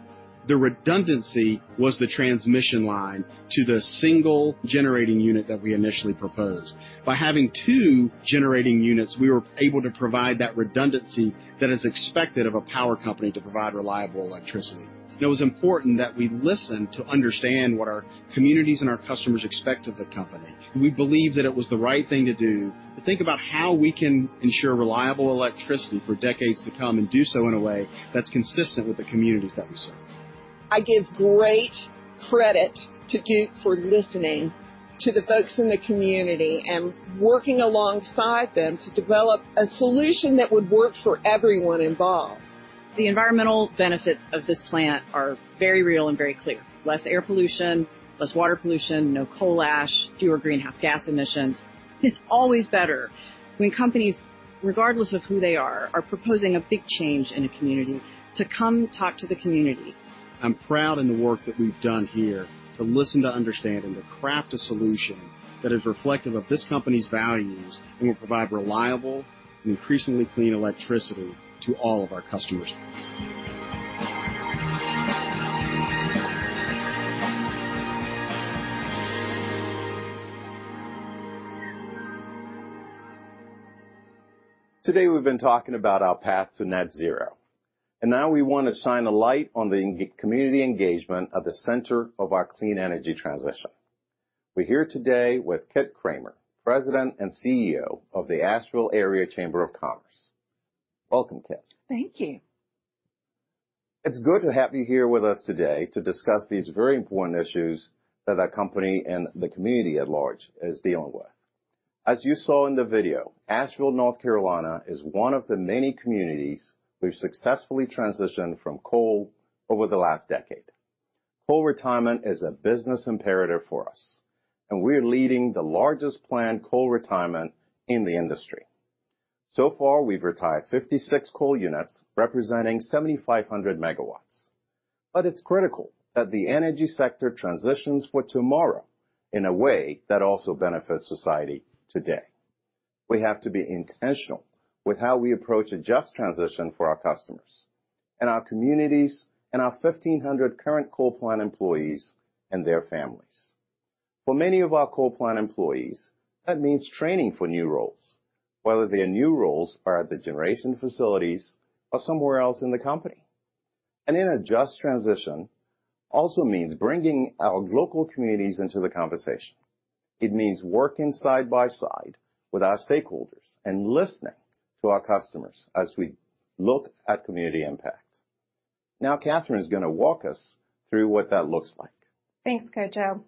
The redundancy was the transmission line to the single generating unit that we initially proposed. By having two generating units, we were able to provide that redundancy that is expected of a power company to provide reliable electricity. It was important that we listen to understand what our communities and our customers expect of the company. We believe that it was the right thing to do to think about how we can ensure reliable electricity for decades to come and do so in a way that's consistent with the communities that we serve. I give great credit to Duke for listening to the folks in the community and working alongside them to develop a solution that would work for everyone involved. The environmental benefits of this plant are very real and very clear. Less air pollution, less water pollution, no coal ash, fewer greenhouse gas emissions. It's always better when companies, regardless of who they are proposing a big change in a community to come talk to the community. I'm proud in the work that we've done here to listen to understand and to craft a solution that is reflective of this company's values and will provide reliable and increasingly clean electricity to all of our customers. Today, we've been talking about our path to net zero, and now we want to shine a light on the community engagement at the center of our clean energy transition. We're here today with Kit Cramer, President and CEO of the Asheville Area Chamber of Commerce. Welcome, Kit. Thank you. It's good to have you here with us today to discuss these very important issues that our company and the community at large is dealing with. As you saw in the video, Asheville, North Carolina, is one of the many communities we've successfully transitioned from coal over the last decade. Coal retirement is a business imperative for us, and we're leading the largest planned coal retirement in the industry. So far, we've retired 56 coal units representing 7,500 MW. It's critical that the energy sector transitions for tomorrow in a way that also benefits society today. We have to be intentional with how we approach a just transition for our customers and our communities and our 1,500 current coal plant employees and their families. For many of our coal plant employees, that means training for new roles, whether their new roles are at the generation facilities or somewhere else in the company. In a just transition, also means bringing our local communities into the conversation. It means working side by side with our stakeholders and listening to our customers as we look at community impact. Now Katherine is gonna walk us through what that looks like. Thanks, Kodwo.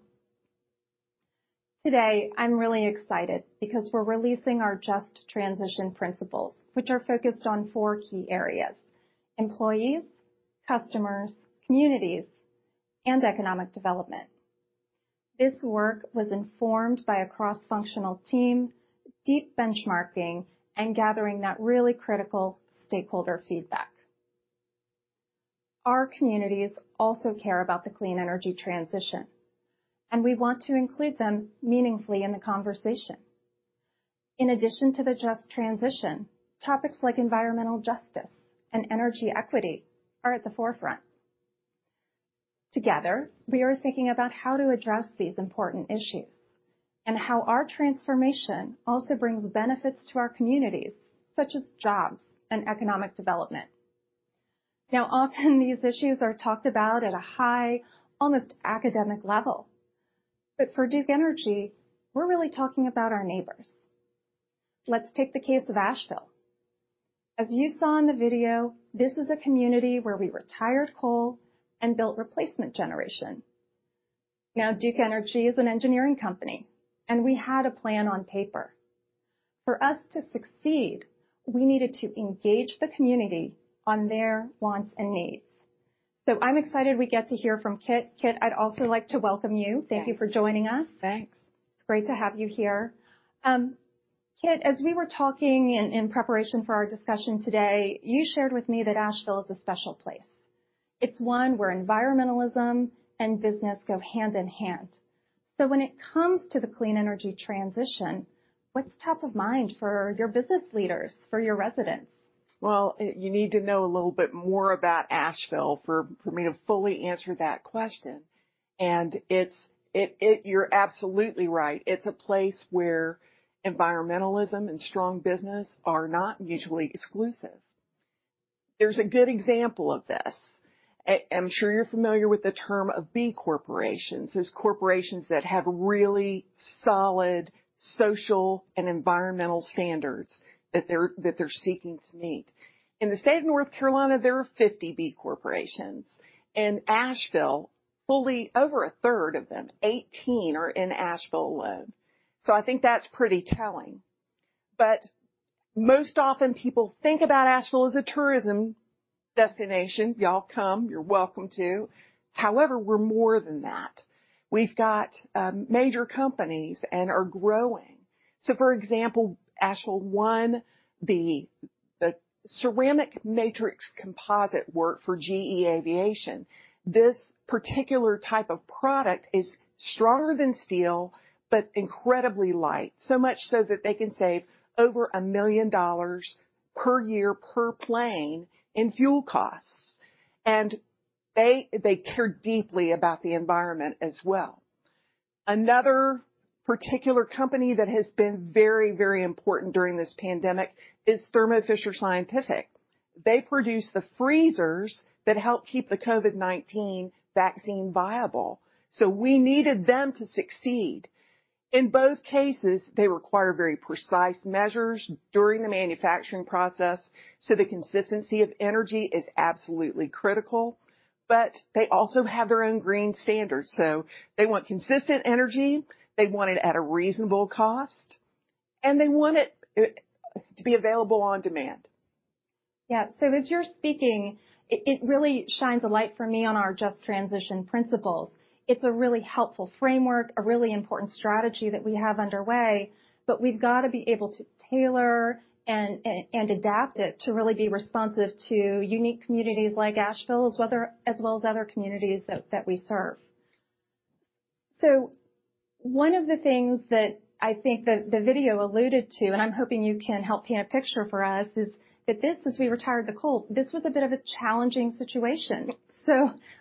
Today, I'm really excited because we're releasing our Just Transition Principles, which are focused on four key areas: employees, customers, communities, and economic development. This work was informed by a cross-functional team, deep benchmarking, and gathering that really critical stakeholder feedback. Our communities also care about the clean energy transition, and we want to include them meaningfully in the conversation. In addition to the just transition, topics like environmental justice and energy equity are at the forefront. Together, we are thinking about how to address these important issues and how our transformation also brings benefits to our communities, such as jobs and economic development. Now, often these issues are talked about at a high, almost academic level, but for Duke Energy, we're really talking about our neighbors. Let's take the case of Asheville. As you saw in the video, this is a community where we retired coal and built replacement generation. Now, Duke Energy is an engineering company, and we had a plan on paper. For us to succeed, we needed to engage the community on their wants and needs. I'm excited we get to hear from Kit. Kit, I'd also like to welcome you. Thank you for joining us. Thanks. It's great to have you here. Kit, as we were talking in preparation for our discussion today, you shared with me that Asheville is a special place. It's one where environmentalism and business go hand in hand. When it comes to the clean energy transition, what's top of mind for your business leaders, for your residents? Well, you need to know a little bit more about Asheville for me to fully answer that question. It's a place where environmentalism and strong business are not mutually exclusive. There's a good example of this. I'm sure you're familiar with the term of B Corporations, is corporations that have really solid social and environmental standards that they're seeking to meet. In the state of North Carolina, there are 50 B Corporations, and Asheville fully over a third of them, 18 are in Asheville alone. I think that's pretty telling. Most often people think about Asheville as a tourism destination. Y'all come. You're welcome to. However, we're more than that. We've got major companies and are growing. For example, Asheville won the ceramic matrix composite work for GE Aviation. This particular type of product is stronger than steel, but incredibly light. Much so that they can save over $1 million per year per plane in fuel costs. They care deeply about the environment as well. Another particular company that has been very, very important during this pandemic is Thermo Fisher Scientific. They produce the freezers that help keep the COVID-19 vaccine viable, so we needed them to succeed. In both cases, they require very precise measures during the manufacturing process, so the consistency of energy is absolutely critical. They also have their own green standards. They want consistent energy, they want it at a reasonable cost, and they want it to be available on demand. Yeah. As you're speaking, it really shines a light for me on our just transition principles. It's a really helpful framework, a really important strategy that we have underway, but we've got to be able to tailor and adapt it to really be responsive to unique communities like Asheville, as well as other communities that we serve. One of the things that I think the video alluded to, and I'm hoping you can help paint a picture for us, is that this, as we retired the coal, this was a bit of a challenging situation.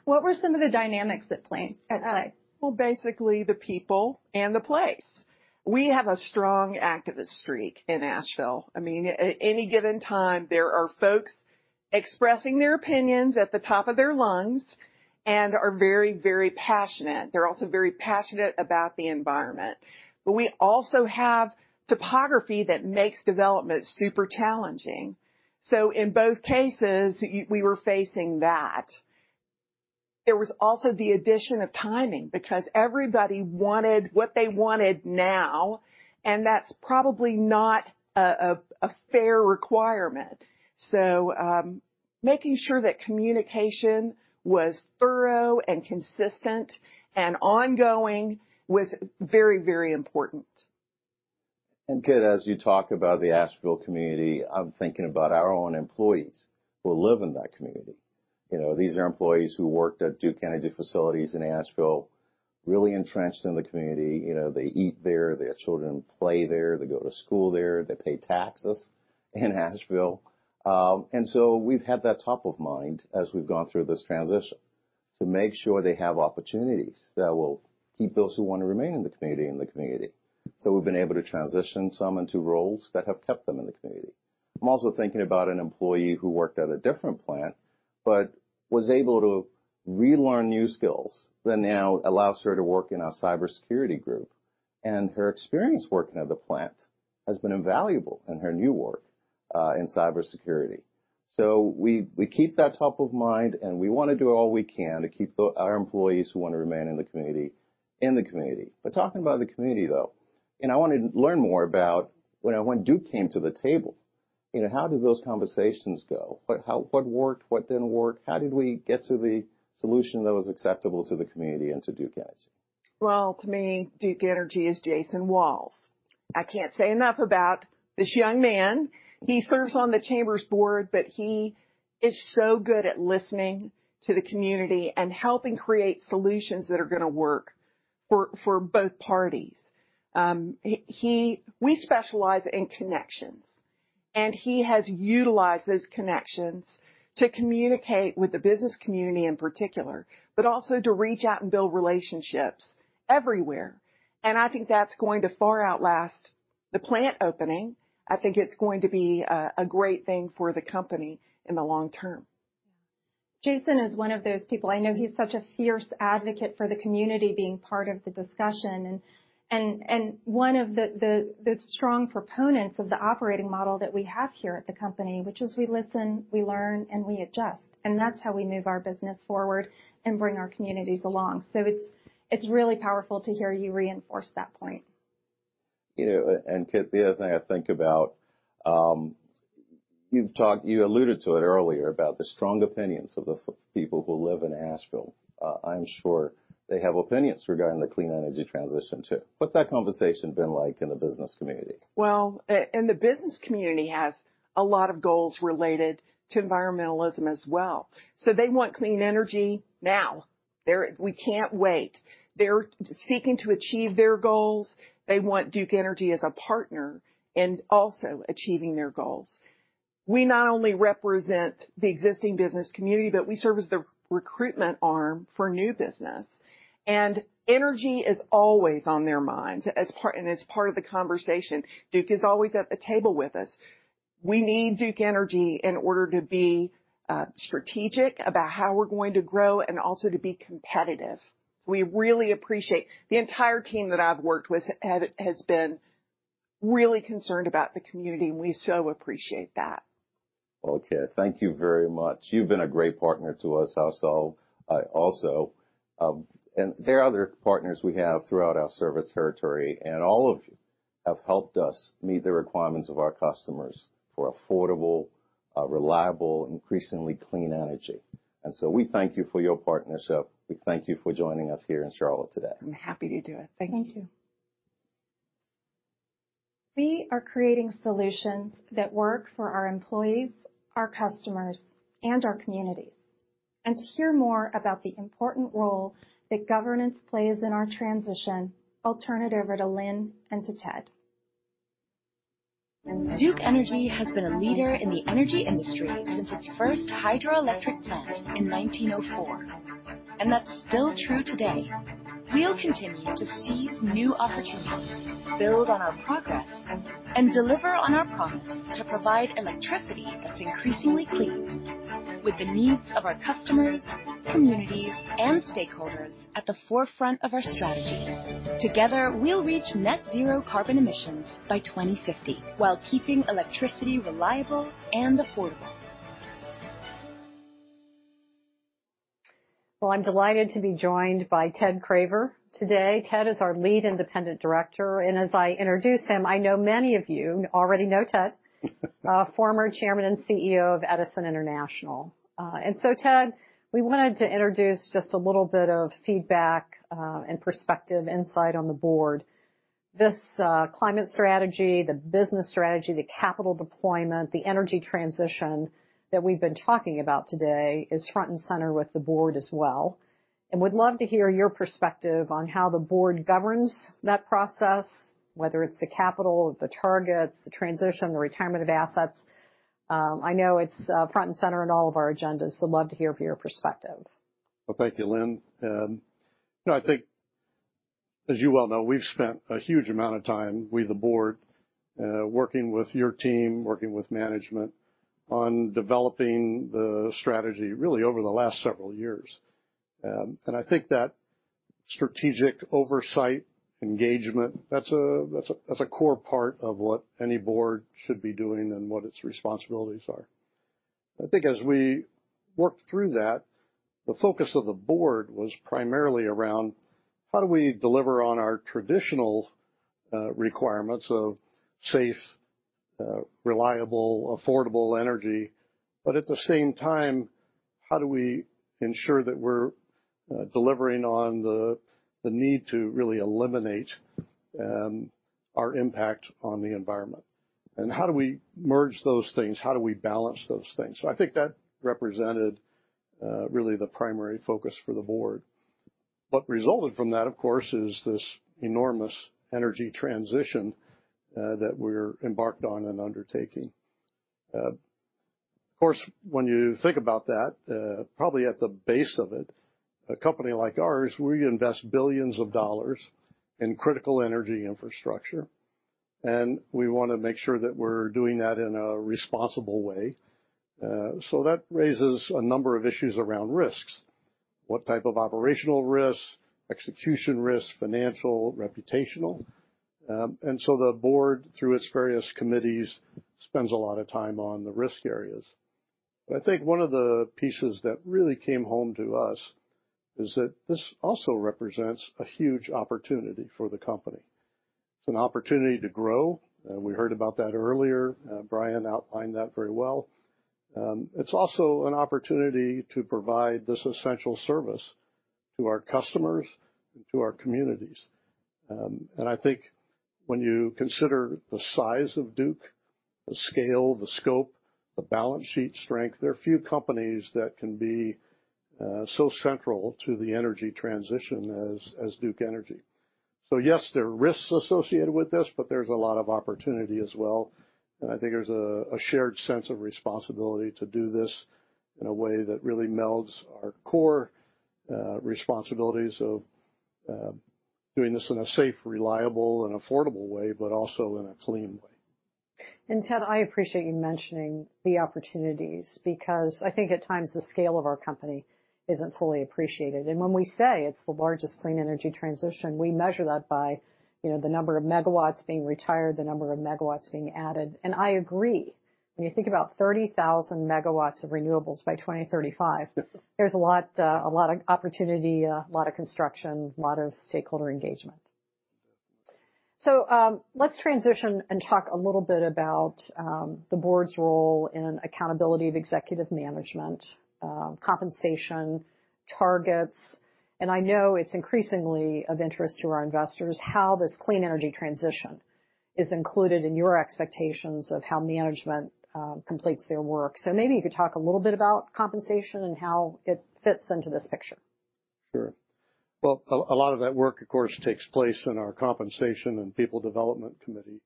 What were some of the dynamics at play? Well, basically, the people and the place. We have a strong activist streak in Asheville. I mean, at any given time, there are folks expressing their opinions at the top of their lungs and are very, very passionate. They're also very passionate about the environment. We also have topography that makes development super challenging. In both cases, we were facing that. There was also the addition of timing because everybody wanted what they wanted now, and that's probably not a fair requirement. Making sure that communication was thorough and consistent and ongoing was very, very important. Kit, as you talk about the Asheville community, I'm thinking about our own employees who live in that community. You know, these are employees who worked at Duke Energy facilities in Asheville, really entrenched in the community. You know, they eat there, their children play there, they go to school there, they pay taxes in Asheville. We've had that top of mind as we've gone through this transition to make sure they have opportunities that will keep those who want to remain in the community, in the community. We've been able to transition some into roles that have kept them in the community. I'm also thinking about an employee who worked at a different plant but was able to relearn new skills that now allows her to work in our cybersecurity group. Her experience working at the plant has been invaluable in her new work in cybersecurity. We keep that top of mind, and we want to do all we can to keep our employees who want to remain in the community, in the community. Talking about the community, though, and I want to learn more about, you know, when Duke came to the table, you know, how did those conversations go? What worked, what didn't work? How did we get to the solution that was acceptable to the community and to Duke Energy? Well, to me, Duke Energy is Jason Walls. I can't say enough about this young man. He serves on the chamber's board, but he is so good at listening to the community and helping create solutions that are gonna work for both parties. We specialize in connections, and he has utilized those connections to communicate with the business community in particular, but also to reach out and build relationships everywhere. I think that's going to far outlast the plant opening. I think it's going to be a great thing for the company in the long term. Jason is one of those people I know he's such a fierce advocate for the community being part of the discussion and one of the strong proponents of the operating model that we have here at the company, which is we listen, we learn, and we adjust. That's how we move our business forward and bring our communities along. It's really powerful to hear you reinforce that point. You know, and Kit, the other thing I think about, you alluded to it earlier about the strong opinions of the people who live in Asheville. I'm sure they have opinions regarding the clean energy transition too. What's that conversation been like in the business community? Well, the business community has a lot of goals related to environmentalism as well. They want clean energy now. We can't wait. They're seeking to achieve their goals. They want Duke Energy as a partner and also achieving their goals. We not only represent the existing business community, but we serve as the recruitment arm for new business. Energy is always on their minds as part of the conversation. Duke is always at the table with us. We need Duke Energy in order to be strategic about how we're going to grow and also to be competitive. We really appreciate. The entire team that I've worked with has been really concerned about the community, and we so appreciate that. Well, Kit, thank you very much. You've been a great partner to us also. There are other partners we have throughout our service territory, and all of you have helped us meet the requirements of our customers for affordable, reliable, increasingly clean energy. We thank you for your partnership. We thank you for joining us here in Charlotte today. I'm happy to do it. Thank you. Thank you. We are creating solutions that work for our employees, our customers, and our communities. To hear more about the important role that governance plays in our transition, I'll turn it over to Lynn and to Ted. Duke Energy has been a leader in the energy industry since its first hydroelectric plant in 1904, and that's still true today. We'll continue to seize new opportunities, build on our progress, and deliver on our promise to provide electricity that's increasingly clean, with the needs of our customers, communities, and stakeholders at the forefront of our strategy. Together, we'll reach net zero carbon emissions by 2050 while keeping electricity reliable and affordable. Well, I'm delighted to be joined by Ted Craver today. Ted is our Lead Independent Director, and as I introduce him, I know many of you already know Ted. Former Chairman and CEO of Edison International. Ted, we wanted to introduce just a little bit of feedback and perspective insight on the board. This climate strategy, the business strategy, the capital deployment, the energy transition that we've been talking about today is front and center with the board as well. We'd love to hear your perspective on how the board governs that process, whether it's the capital, the targets, the transition, the retirement of assets. I know it's front and center in all of our agendas. Love to hear your perspective. Well, thank you, Lynn. You know, I think as you well know, we've spent a huge amount of time, we the board, working with your team, working with management on developing the strategy really over the last several years. I think that strategic oversight engagement, that's a core part of what any board should be doing and what its responsibilities are. I think as we worked through that, the focus of the board was primarily around how do we deliver on our traditional requirements of safe, reliable, affordable energy, but at the same time, how do we ensure that we're delivering on the need to really eliminate our impact on the environment? How do we merge those things? How do we balance those things? I think that represented really the primary focus for the board. What resulted from that, of course, is this enormous energy transition that we're embarked on and undertaking. Of course, when you think about that, probably at the base of it, a company like ours, we invest billions of dollars in critical energy infrastructure, and we wanna make sure that we're doing that in a responsible way. That raises a number of issues around risks. What type of operational risks, execution risks, financial, reputational? The board, through its various committees, spends a lot of time on the risk areas. I think one of the pieces that really came home to us is that this also represents a huge opportunity for the company. It's an opportunity to grow. We heard about that earlier. Brian outlined that very well. It's also an opportunity to provide this essential service to our customers and to our communities. I think when you consider the size of Duke, the scale, the scope, the balance sheet strength, there are few companies that can be so central to the energy transition as Duke Energy. Yes, there are risks associated with this, but there's a lot of opportunity as well, and I think there's a shared sense of responsibility to do this in a way that really melds our core responsibilities of doing this in a safe, reliable, and affordable way, but also in a clean way. Ted, I appreciate you mentioning the opportunities because I think at times the scale of our company isn't fully appreciated. When we say it's the largest clean energy transition, we measure that by, you know, the number of megawatts being retired, the number of megawatts being added. I agree, when you think about 30,000 MW of renewables by 2035. Yep. There's a lot of opportunity, a lot of construction, a lot of stakeholder engagement. Let's transition and talk a little bit about the board's role in accountability of executive management, compensation, targets. I know it's increasingly of interest to our investors how this clean energy transition is included in your expectations of how management completes their work. Maybe you could talk a little bit about compensation and how it fits into this picture. Sure. Well, a lot of that work, of course, takes place in our Compensation and People Development Committee,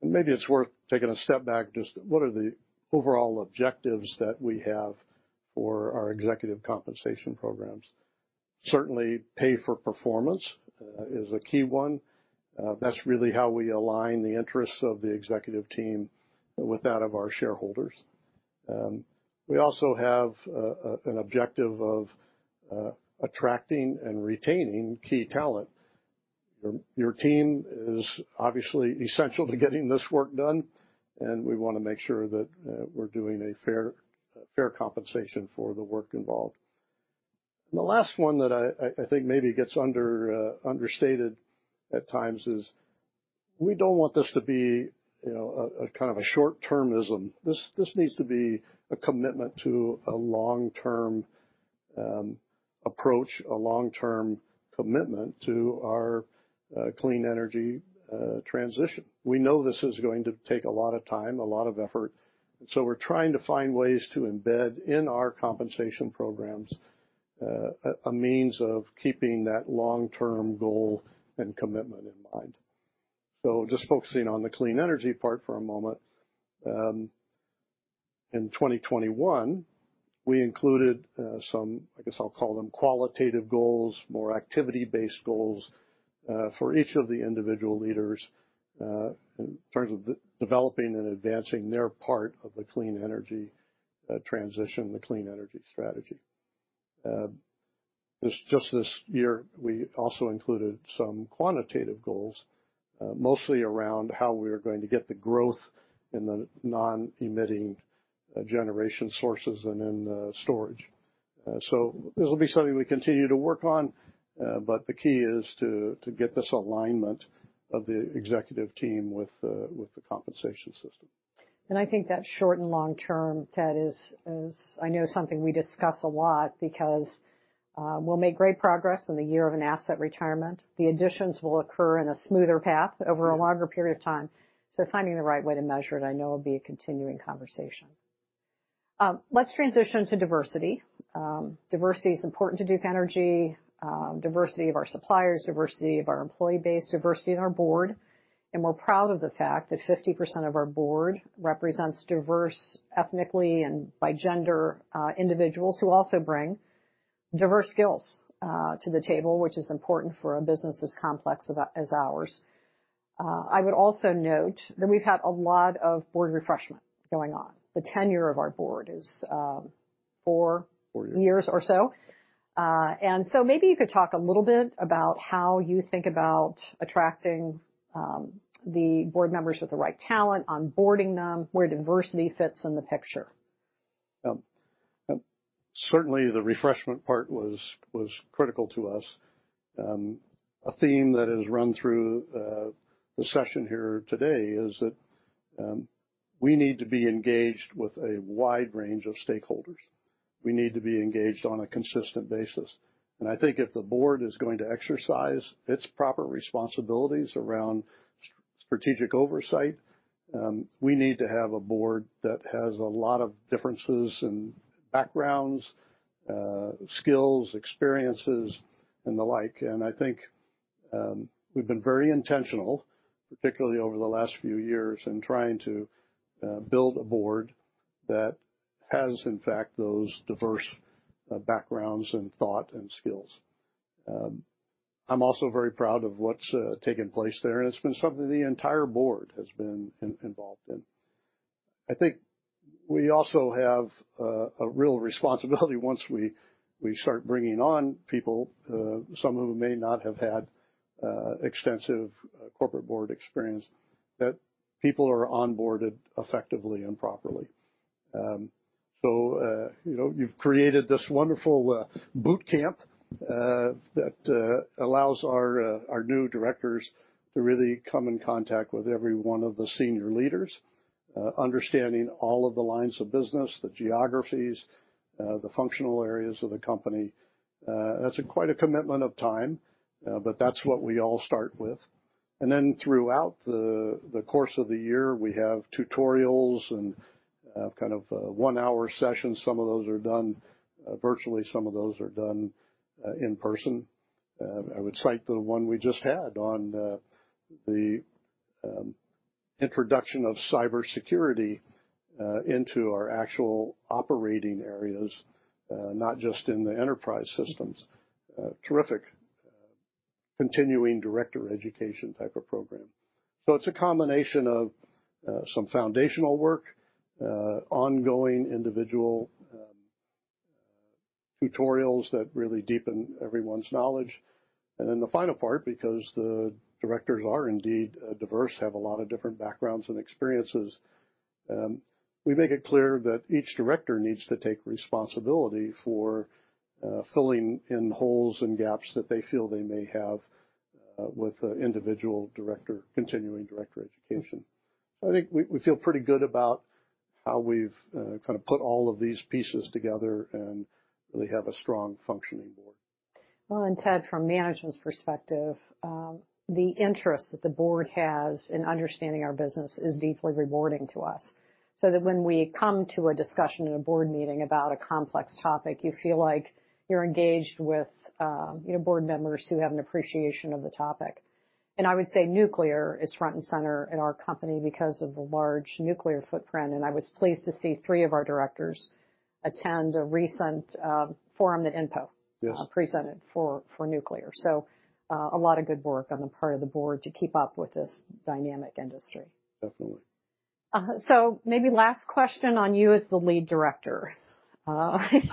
and maybe it's worth taking a step back just what are the overall objectives that we have for our executive compensation programs. Certainly pay for performance is a key one. That's really how we align the interests of the executive team with that of our shareholders. We also have an objective of attracting and retaining key talent. Your team is obviously essential to getting this work done, and we wanna make sure that we're doing a fair compensation for the work involved. The last one that I think maybe gets understated at times is we don't want this to be, you know, a kind of short-termism. This needs to be a commitment to a long-term approach, a long-term commitment to our clean energy transition. We know this is going to take a lot of time, a lot of effort, and we're trying to find ways to embed in our compensation programs a means of keeping that long-term goal and commitment in mind. Just focusing on the clean energy part for a moment. In 2021, we included some, I guess I'll call them qualitative goals, more activity-based goals, for each of the individual leaders, in terms of developing and advancing their part of the clean energy transition, the clean energy strategy. This just this year, we also included some quantitative goals, mostly around how we are going to get the growth in the non-emitting generation sources and in storage. This'll be something we continue to work on, but the key is to get this alignment of the executive team with the compensation system. I think that short and long-term, Ted, is I know something we discuss a lot because we'll make great progress in the year of an asset retirement. The additions will occur in a smoother path over a longer period of time. Finding the right way to measure it, I know will be a continuing conversation. Let's transition to diversity. Diversity is important to Duke Energy, diversity of our suppliers, diversity of our employee base, diversity of our board, and we're proud of the fact that 50% of our board represents diverse ethnically and by gender individuals who also bring diverse skills to the table, which is important for a business as complex as ours. I would also note that we've had a lot of board refreshment going on. The tenure of our board is four- four years. Years or so. Maybe you could talk a little bit about how you think about attracting the board members with the right talent, onboarding them, where diversity fits in the picture. Yep. Certainly, the refreshment part was critical to us. A theme that has run through the session here today is that we need to be engaged with a wide range of stakeholders. We need to be engaged on a consistent basis. I think if the board is going to exercise its proper responsibilities around strategic oversight, we need to have a board that has a lot of differences in backgrounds, skills, experiences, and the like. I think we've been very intentional, particularly over the last few years, in trying to build a board that has, in fact, those diverse backgrounds and thought and skills. I'm also very proud of what's taken place there, and it's been something the entire board has been involved in. I think we also have a real responsibility once we start bringing on people, some of whom may not have had extensive corporate board experience, that people are onboarded effectively and properly. You know, you've created this wonderful boot camp that allows our new directors to really come in contact with every one of the senior leaders, understanding all of the lines of business, the geographies, the functional areas of the company. That's quite a commitment of time, but that's what we all start with. Then throughout the course of the year, we have tutorials and kind of one-hour sessions. Some of those are done virtually, some of those are done in person. I would cite the one we just had on the introduction of cybersecurity into our actual operating areas, not just in the enterprise systems. Terrific continuing director education type of program. It's a combination of some foundational work, ongoing individual tutorials that really deepen everyone's knowledge. Then the final part, because the directors are indeed diverse, have a lot of different backgrounds and experiences, we make it clear that each director needs to take responsibility for filling in holes and gaps that they feel they may have with the individual director continuing director education. I think we feel pretty good about how we've kind of put all of these pieces together and really have a strong functioning board. Well, Ted, from management's perspective, the interest that the board has in understanding our business is deeply rewarding to us, so that when we come to a discussion in a board meeting about a complex topic, you feel like you're engaged with, you know, board members who have an appreciation of the topic. I would say nuclear is front and center in our company because of the large nuclear footprint. I was pleased to see three of our directors attend a recent forum that INPO- Yes. presented for nuclear. A lot of good work on the part of the board to keep up with this dynamic industry. Definitely. Maybe last question on you as the Lead Director. Okay.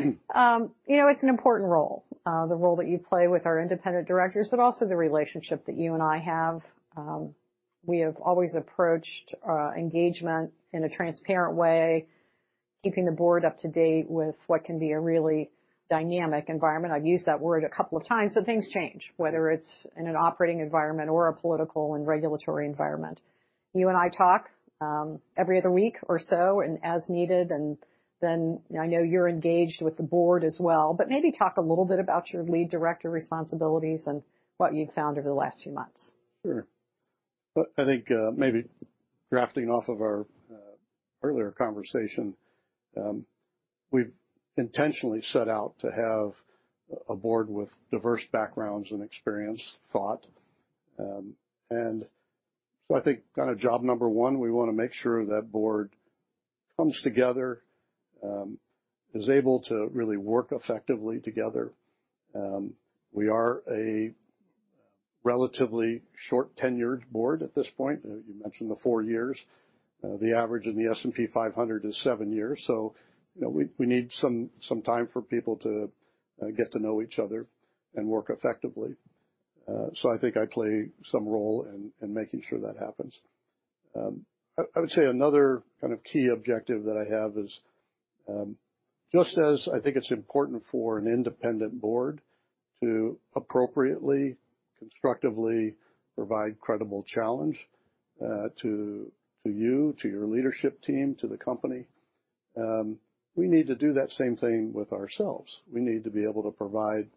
You know, it's an important role, the role that you play with our independent directors, but also the relationship that you and I have. We have always approached engagement in a transparent way, keeping the board up to date with what can be a really dynamic environment. I've used that word a couple of times, but things change, whether it's in an operating environment or a political and regulatory environment. You and I talk every other week or so and as needed, and then I know you're engaged with the board as well, but maybe talk a little bit about your lead director responsibilities and what you've found over the last few months. Sure. I think maybe building off of our earlier conversation, we've intentionally set out to have a board with diverse backgrounds and experience. I think kind of job number one, we want to make sure that board comes together, is able to really work effectively together. We are a relatively short-tenured board at this point. You mentioned the four years. The average in the S&P 500 is seven years. You know, we need some time for people to get to know each other and work effectively. I think I play some role in making sure that happens. I would say another kind of key objective that I have is just as I think it's important for an independent board to appropriately, constructively provide credible challenge to you, to your leadership team, to the company, we need to do that same thing with ourselves. We need to be able to provide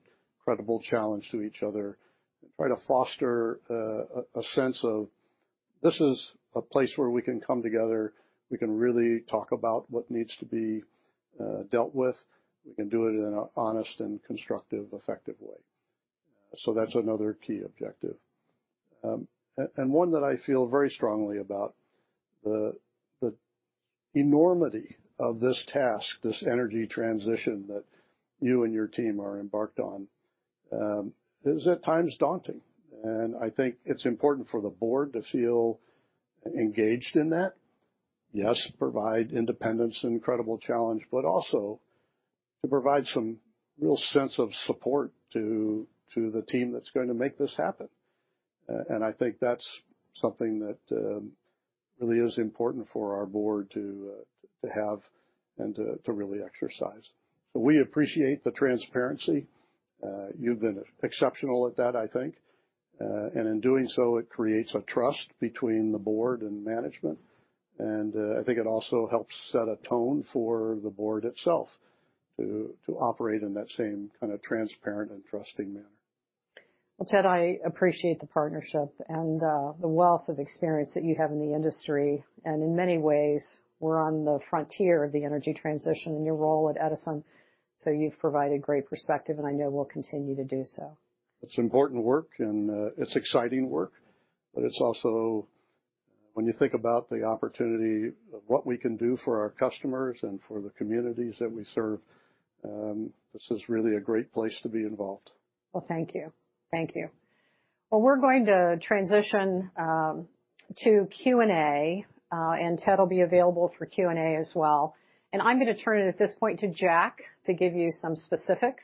credible challenge to each other and try to foster a sense of this is a place where we can come together, we can really talk about what needs to be dealt with. We can do it in an honest and constructive, effective way. That's another key objective. And one that I feel very strongly about, the enormity of this task, this energy transition that you and your team are embarked on, is at times daunting. I think it's important for the board to feel engaged in that. Yes, provide independence and credible challenge, but also to provide some real sense of support to the team that's going to make this happen. I think that's something that really is important for our board to have and to really exercise. So we appreciate the transparency. You've been exceptional at that, I think. In doing so, it creates a trust between the board and management. I think it also helps set a tone for the board itself to operate in that same kind of transparent and trusting manner. Well, Ted, I appreciate the partnership and the wealth of experience that you have in the industry. In many ways, we're on the frontier of the energy transition in your role at Edison. You've provided great perspective, and I know will continue to do so. It's important work, and it's exciting work, but it's also when you think about the opportunity of what we can do for our customers and for the communities that we serve, this is really a great place to be involved. Well, thank you. We're going to transition to Q&A, and Ted will be available for Q&A as well. I'm going to turn it at this point to Jack to give you some specifics.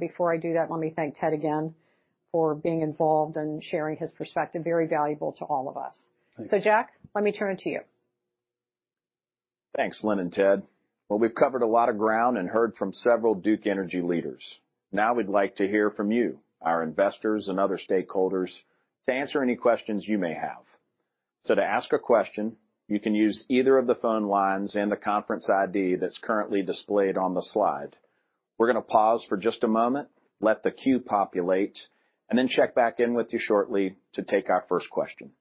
Before I do that, let me thank Ted again for being involved and sharing his perspective. Very valuable to all of us. Thank you. Jack, let me turn to you. Thanks, Lynn and Ted. Well, we've covered a lot of ground and heard from several Duke Energy leaders. Now we'd like to hear from you, our investors and other stakeholders, to answer any questions you may have. To ask a question, you can use either of the phone lines and the conference ID that's currently displayed on the slide. We're gonna pause for just a moment, let the queue populate, and then check back in with you shortly to take our first question.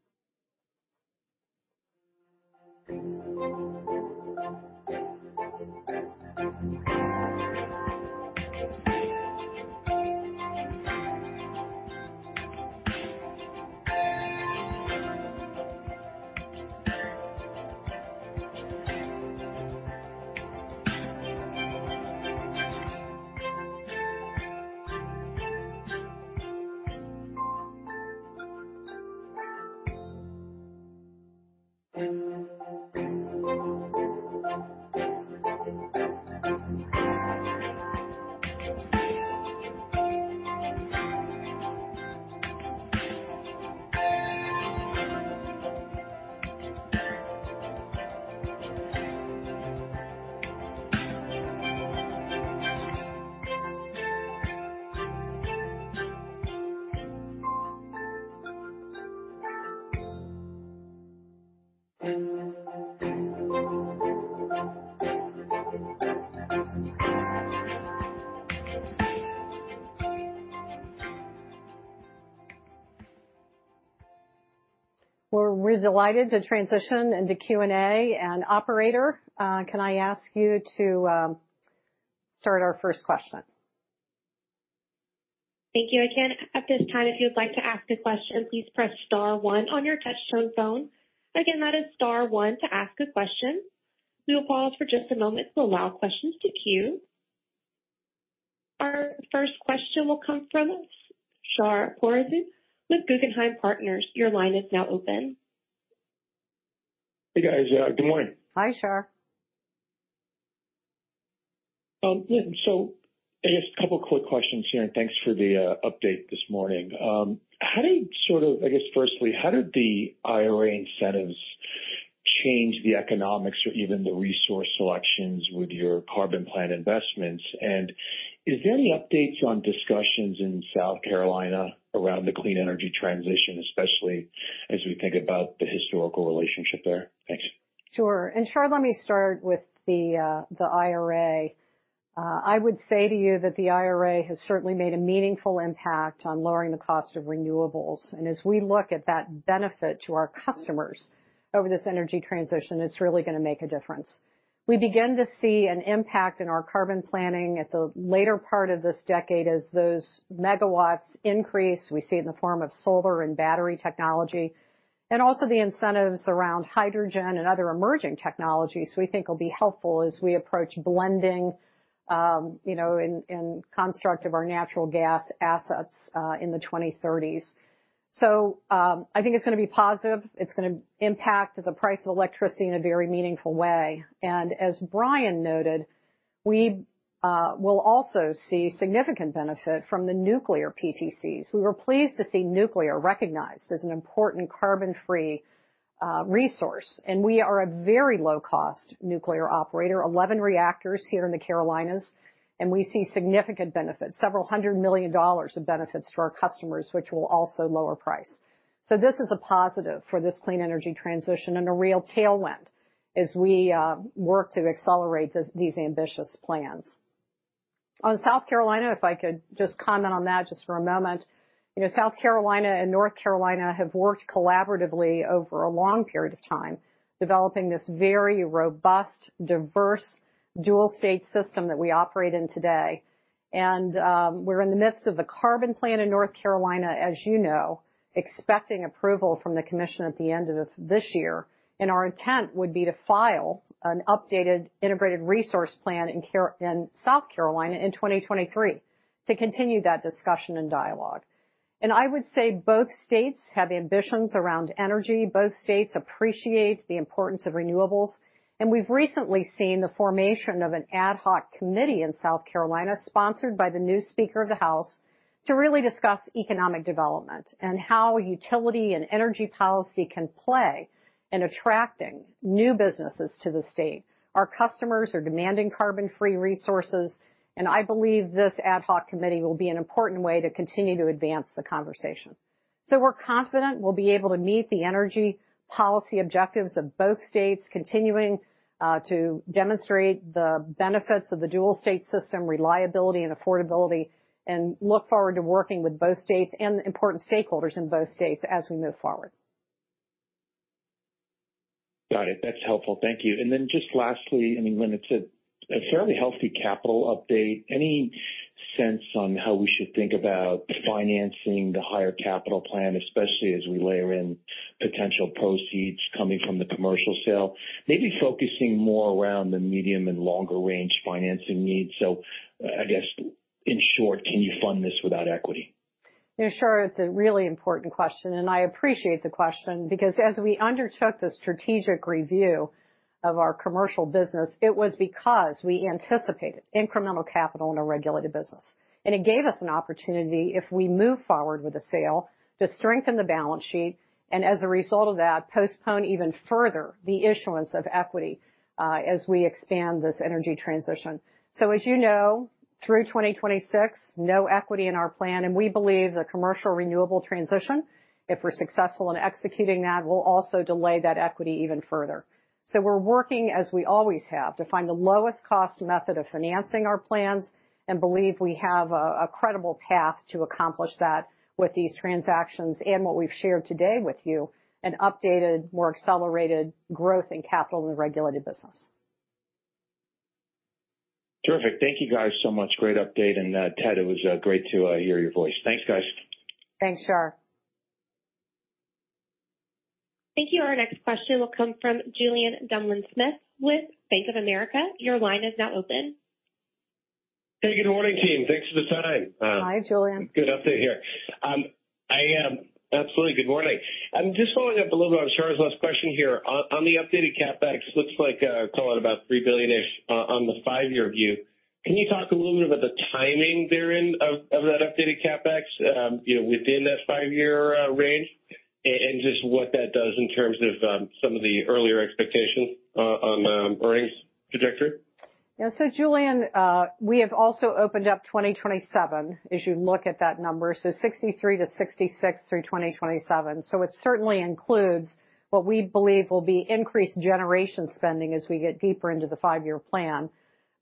We're delighted to transition into Q&A. Operator, can I ask you to start our first question? Thank you. Again, at this time, if you would like to ask a question, please press star one on your touch-tone phone. Again, that is star one to ask a question. We will pause for just a moment to allow questions to queue. Our first question will come from Shar Pourreza with Guggenheim Partners. Your line is now open. Hey, guys. Good morning. Hi, Shar. I guess a couple quick questions here, and thanks for the update this morning. I guess firstly, how did the IRA incentives change the economics or even the resource selections with your Carbon Plan investments? And is there any updates on discussions in South Carolina around the clean energy transition, especially as we think about the historical relationship there? Thanks. Sure. Shar, let me start with the IRA. I would say to you that the IRA has certainly made a meaningful impact on lowering the cost of renewables. As we look at that benefit to our customers over this energy transition, it's really gonna make a difference. We begin to see an impact in our carbon planning at the later part of this decade as those megawatts increase. We see it in the form of solar and battery technology, and also the incentives around hydrogen and other emerging technologies we think will be helpful as we approach blending, you know, in construct of our natural gas assets in the 2030s. I think it's gonna be positive. It's gonna impact the price of electricity in a very meaningful way. As Brian noted, we will also see significant benefit from the nuclear PTCs. We were pleased to see nuclear recognized as an important carbon-free resource, and we are a very low-cost nuclear operator, 11 reactors here in the Carolinas, and we see significant benefits, several hundred million dollars of benefits to our customers, which will also lower price. This is a positive for this clean energy transition and a real tailwind as we work to accelerate these ambitious plans. On South Carolina, if I could just comment on that just for a moment. You know, South Carolina and North Carolina have worked collaboratively over a long period of time developing this very robust, diverse dual state system that we operate in today. We're in the midst of the Carbon Plan in North Carolina, as you know, expecting approval from the commission at the end of this year. Our intent would be to file an updated Integrated Resource Plan in South Carolina in 2023 to continue that discussion and dialogue. I would say both states have ambitions around energy. Both states appreciate the importance of renewables. We've recently seen the formation of an ad hoc committee in South Carolina, sponsored by the new speaker of the House, to really discuss economic development and how utility and energy policy can play in attracting new businesses to the state. Our customers are demanding carbon-free resources, and I believe this ad hoc committee will be an important way to continue to advance the conversation. We're confident we'll be able to meet the energy policy objectives of both states, continuing to demonstrate the benefits of the dual state system, reliability and affordability, and look forward to working with both states and the important stakeholders in both states as we move forward. Got it. That's helpful. Thank you. Then just lastly, I mean, Lynn, it's a fairly healthy capital update. Any sense on how we should think about financing the higher capital plan, especially as we layer in potential proceeds coming from the commercial sale? Maybe focusing more around the medium and longer range financing needs. I guess in short, can you fund this without equity? Yeah, sure. It's a really important question, and I appreciate the question because as we undertook the strategic review of our commercial business, it was because we anticipated incremental capital in a regulated business. It gave us an opportunity, if we move forward with a sale, to strengthen the balance sheet and as a result of that, postpone even further the issuance of equity, as we expand this energy transition. As you know, through 2026, no equity in our plan, and we believe the commercial renewable transition, if we're successful in executing that, will also delay that equity even further. We're working as we always have to find the lowest cost method of financing our plans and believe we have a credible path to accomplish that with these transactions and what we've shared today with you, an updated, more accelerated growth in capital in the regulated business. Terrific. Thank you guys so much. Great update. Ted, it was great to hear your voice. Thanks, guys. Thanks, Shar. Thank you. Our next question will come from Julien Dumoulin-Smith with Bank of America. Your line is now open. Hey, good morning, team. Thanks for the time. Hi, Julien. Good update here. Good morning. I'm just following up a little bit on Shar's last question here. On the updated CapEx, looks like call it about $3 billion-ish on the 5-year view. Can you talk a little bit about the timing therein of that updated CapEx, you know, within that 5-year range and just what that does in terms of some of the earlier expectations on earnings trajectory? Yeah. Julien, we have also opened up 2027 as you look at that number, 63-66 through 2027. It certainly includes what we believe will be increased generation spending as we get deeper into the five-year plan.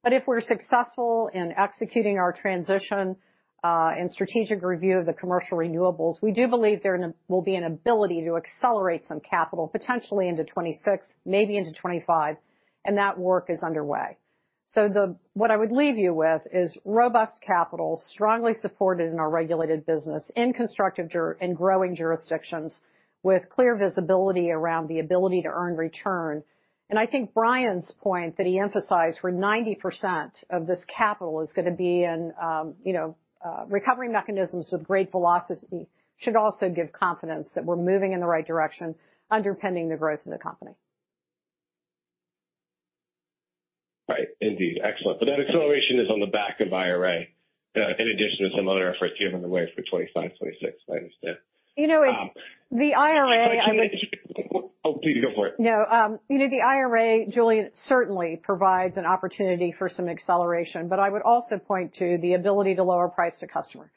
But if we're successful in executing our transition and strategic review of the commercial renewables, we do believe there will be an ability to accelerate some capital, potentially into 2026, maybe into 2025, and that work is underway. What I would leave you with is robust capital, strongly supported in our regulated business in constructive in growing jurisdictions with clear visibility around the ability to earn return. I think Brian's point that he emphasized where 90% of this capital is gonna be in, you know, recovery mechanisms with great velocity should also give confidence that we're moving in the right direction, underpinning the growth in the company. Right. Indeed. Excellent. That acceleration is on the back of IRA, in addition to some other efforts given the way for 2025, 2026, I understand. You know, it's. Um- The IRA. Oh, please go for it. No. You know, the IRA, Julien, certainly provides an opportunity for some acceleration, but I would also point to the ability to lower price to customer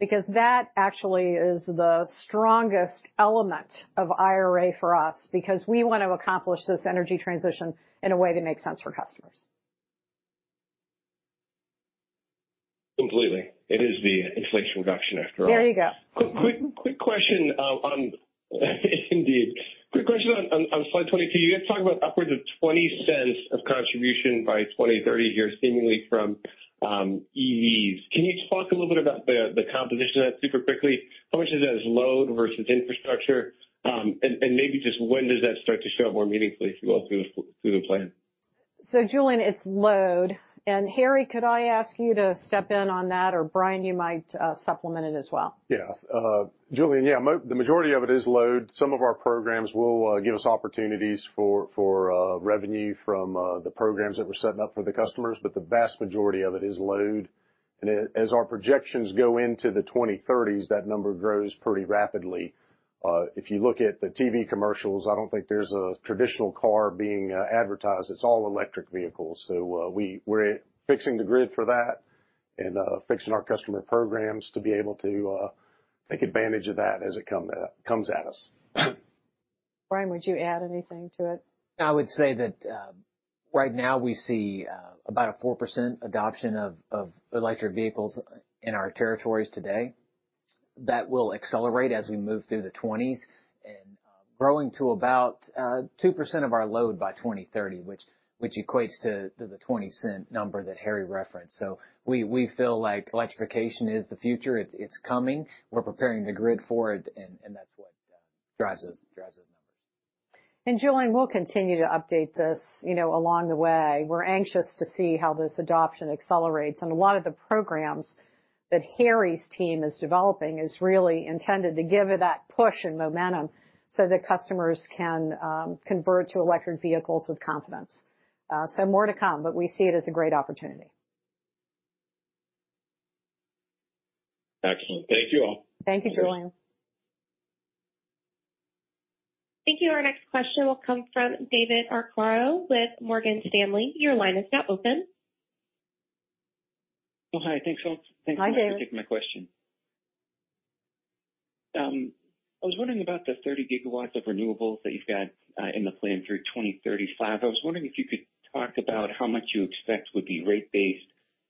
because that actually is the strongest element of IRA for us because we want to accomplish this energy transition in a way that makes sense for customers. Completely. It is the Inflation Reduction after all. There you go. Quick question on slide 22. You guys talk about upwards of $0.20 of contribution by 2030 here seemingly from EVs. Can you talk a little bit about the composition of that super quickly? How much of that is load versus infrastructure? Maybe just when does that start to show up more meaningfully as you go through the plan? Julien, it's load. Harry, could I ask you to step in on that, or Brian, you might supplement it as well? Yeah. Julien, yeah, the majority of it is load. Some of our programs will give us opportunities for revenue from the programs that we're setting up for the customers, but the vast majority of it is load. As our projections go into the 2030s, that number grows pretty rapidly. If you look at the TV commercials, I don't think there's a traditional car being advertised. It's all electric vehicles. We're fixing the grid for that and fixing our customer programs to be able to take advantage of that as it comes at us. Brian, would you add anything to it? I would say that, right now we see about a 4% adoption of electric vehicles in our territories today. That will accelerate as we move through the 2020s and growing to about 2% of our load by 2030, which equates to the 20-cent number that Harry referenced. We feel like electrification is the future. It's coming. We're preparing the grid for it, and that's what drives those numbers. Julien, we'll continue to update this, you know, along the way. We're anxious to see how this adoption accelerates. A lot of the programs that Harry's team is developing is really intended to give it that push and momentum so that customers can convert to electric vehicles with confidence. More to come, but we see it as a great opportunity. Excellent. Thank you all. Thank you, Julien. Thank you. Our next question will come from David Arcaro with Morgan Stanley. Your line is now open. Oh, hi. Thanks, all. Hi, David. Thanks for taking my question. I was wondering about the 30 GW of renewables that you've got in the plan through 2035. I was wondering if you could talk about how much you expect would be rate-based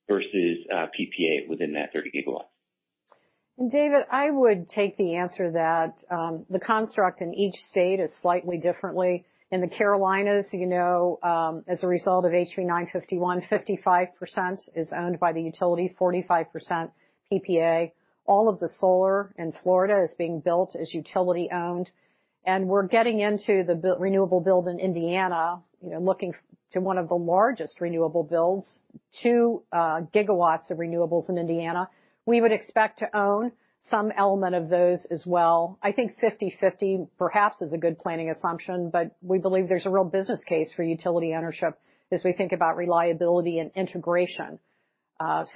versus PPA within that 30 GW. David, I would take the answer that, the construct in each state is slightly different. In the Carolinas, you know, as a result of HB 951, 55% is owned by the utility, 45% PPA. All of the solar in Florida is being built as utility-owned, and we're getting into the renewable build in Indiana, you know, looking to one of the largest renewable builds, 2 GW of renewables in Indiana. We would expect to own some element of those as well. I think 50/50 perhaps is a good planning assumption, but we believe there's a real business case for utility ownership as we think about reliability and integration.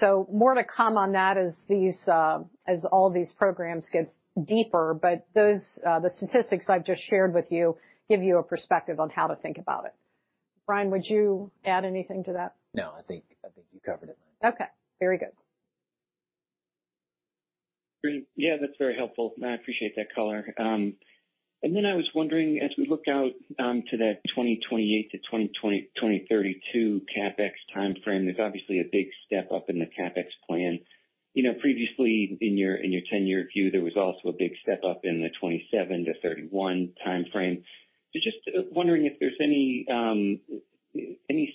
So more to come on that as all these programs get deeper. Those statistics I've just shared with you give you a perspective on how to think about it. Brian, would you add anything to that? No. I think you covered it. Okay, very good. Great. Yeah, that's very helpful. I appreciate that color. I was wondering, as we look out to that 2028-2032 CapEx timeframe, there's obviously a big step-up in the CapEx plan. You know, previously in your 10-year view, there was also a big step-up in the 2027-2031 timeframe. Just wondering if there's any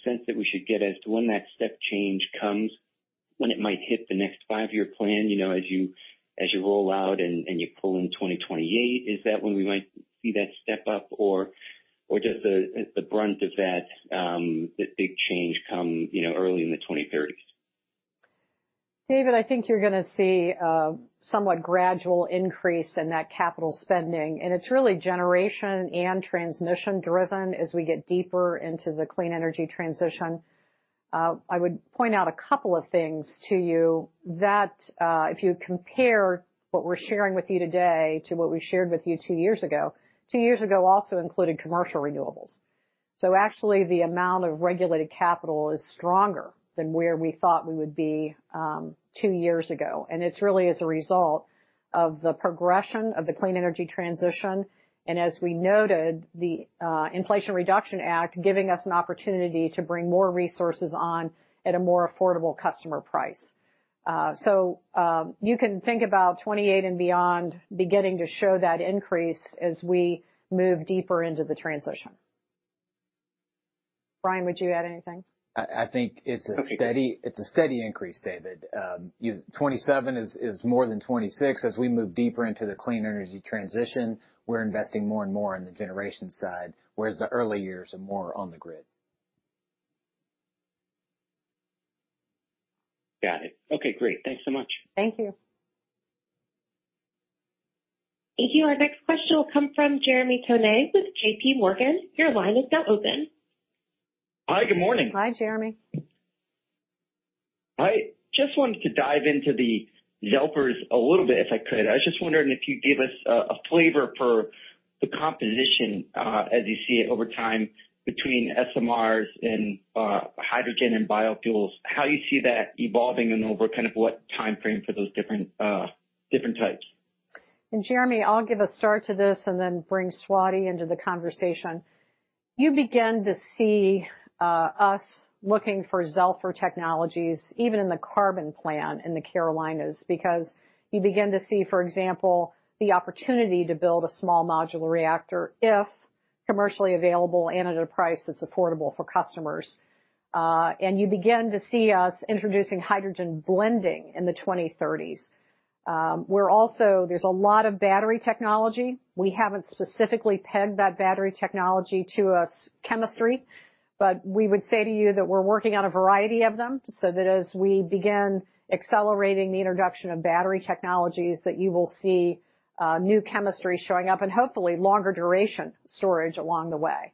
sense that we should get as to when that step change comes, when it might hit the next five-year plan, you know, as you roll out and you pull in 2028, is that when we might see that step up? Or just the brunt of that big change come, you know, early in the 2030s? David, I think you're gonna see a somewhat gradual increase in that capital spending, and it's really generation and transmission-driven as we get deeper into the clean energy transition. I would point out a couple of things to you that, if you compare what we're sharing with you today to what we shared with you two years ago, two years ago also included commercial renewables. Actually, the amount of regulated capital is stronger than where we thought we would be, two years ago. It's really as a result of the progression of the clean energy transition, and as we noted, the Inflation Reduction Act giving us an opportunity to bring more resources on at a more affordable customer price. You can think about 2028 and beyond beginning to show that increase as we move deeper into the transition. Brian, would you add anything? I think it's a steady- Okay. It's a steady increase, David.2027 is more than 2026. As we move deeper into the clean energy transition, we're investing more and more in the generation side, whereas the early years are more on the grid. Got it. Okay, great. Thanks so much. Thank you. Thank you. Our next question will come from Jeremy Tonet with JPMorgan. Your line is now open. Hi, good morning. Hi, Jeremy. I just wanted to dive into the ZELFRs a little bit, if I could. I was just wondering if you'd give us a flavor for the composition, as you see it over time between SMRs and hydrogen and biofuels, how you see that evolving and over kind of what timeframe for those different types? Jeremy, I'll give a start to this and then bring Swati into the conversation. You begin to see us looking for ZELFR technologies even in the Carbon Plan in the Carolinas, because you begin to see, for example, the opportunity to build a small modular reactor if commercially available and at a price that's affordable for customers. You begin to see us introducing hydrogen blending in the 2030s. There's a lot of battery technology. We haven't specifically pegged that battery technology to a chemistry, but we would say to you that we're working on a variety of them so that as we begin accelerating the introduction of battery technologies, that you will see new chemistry showing up and hopefully longer duration storage along the way.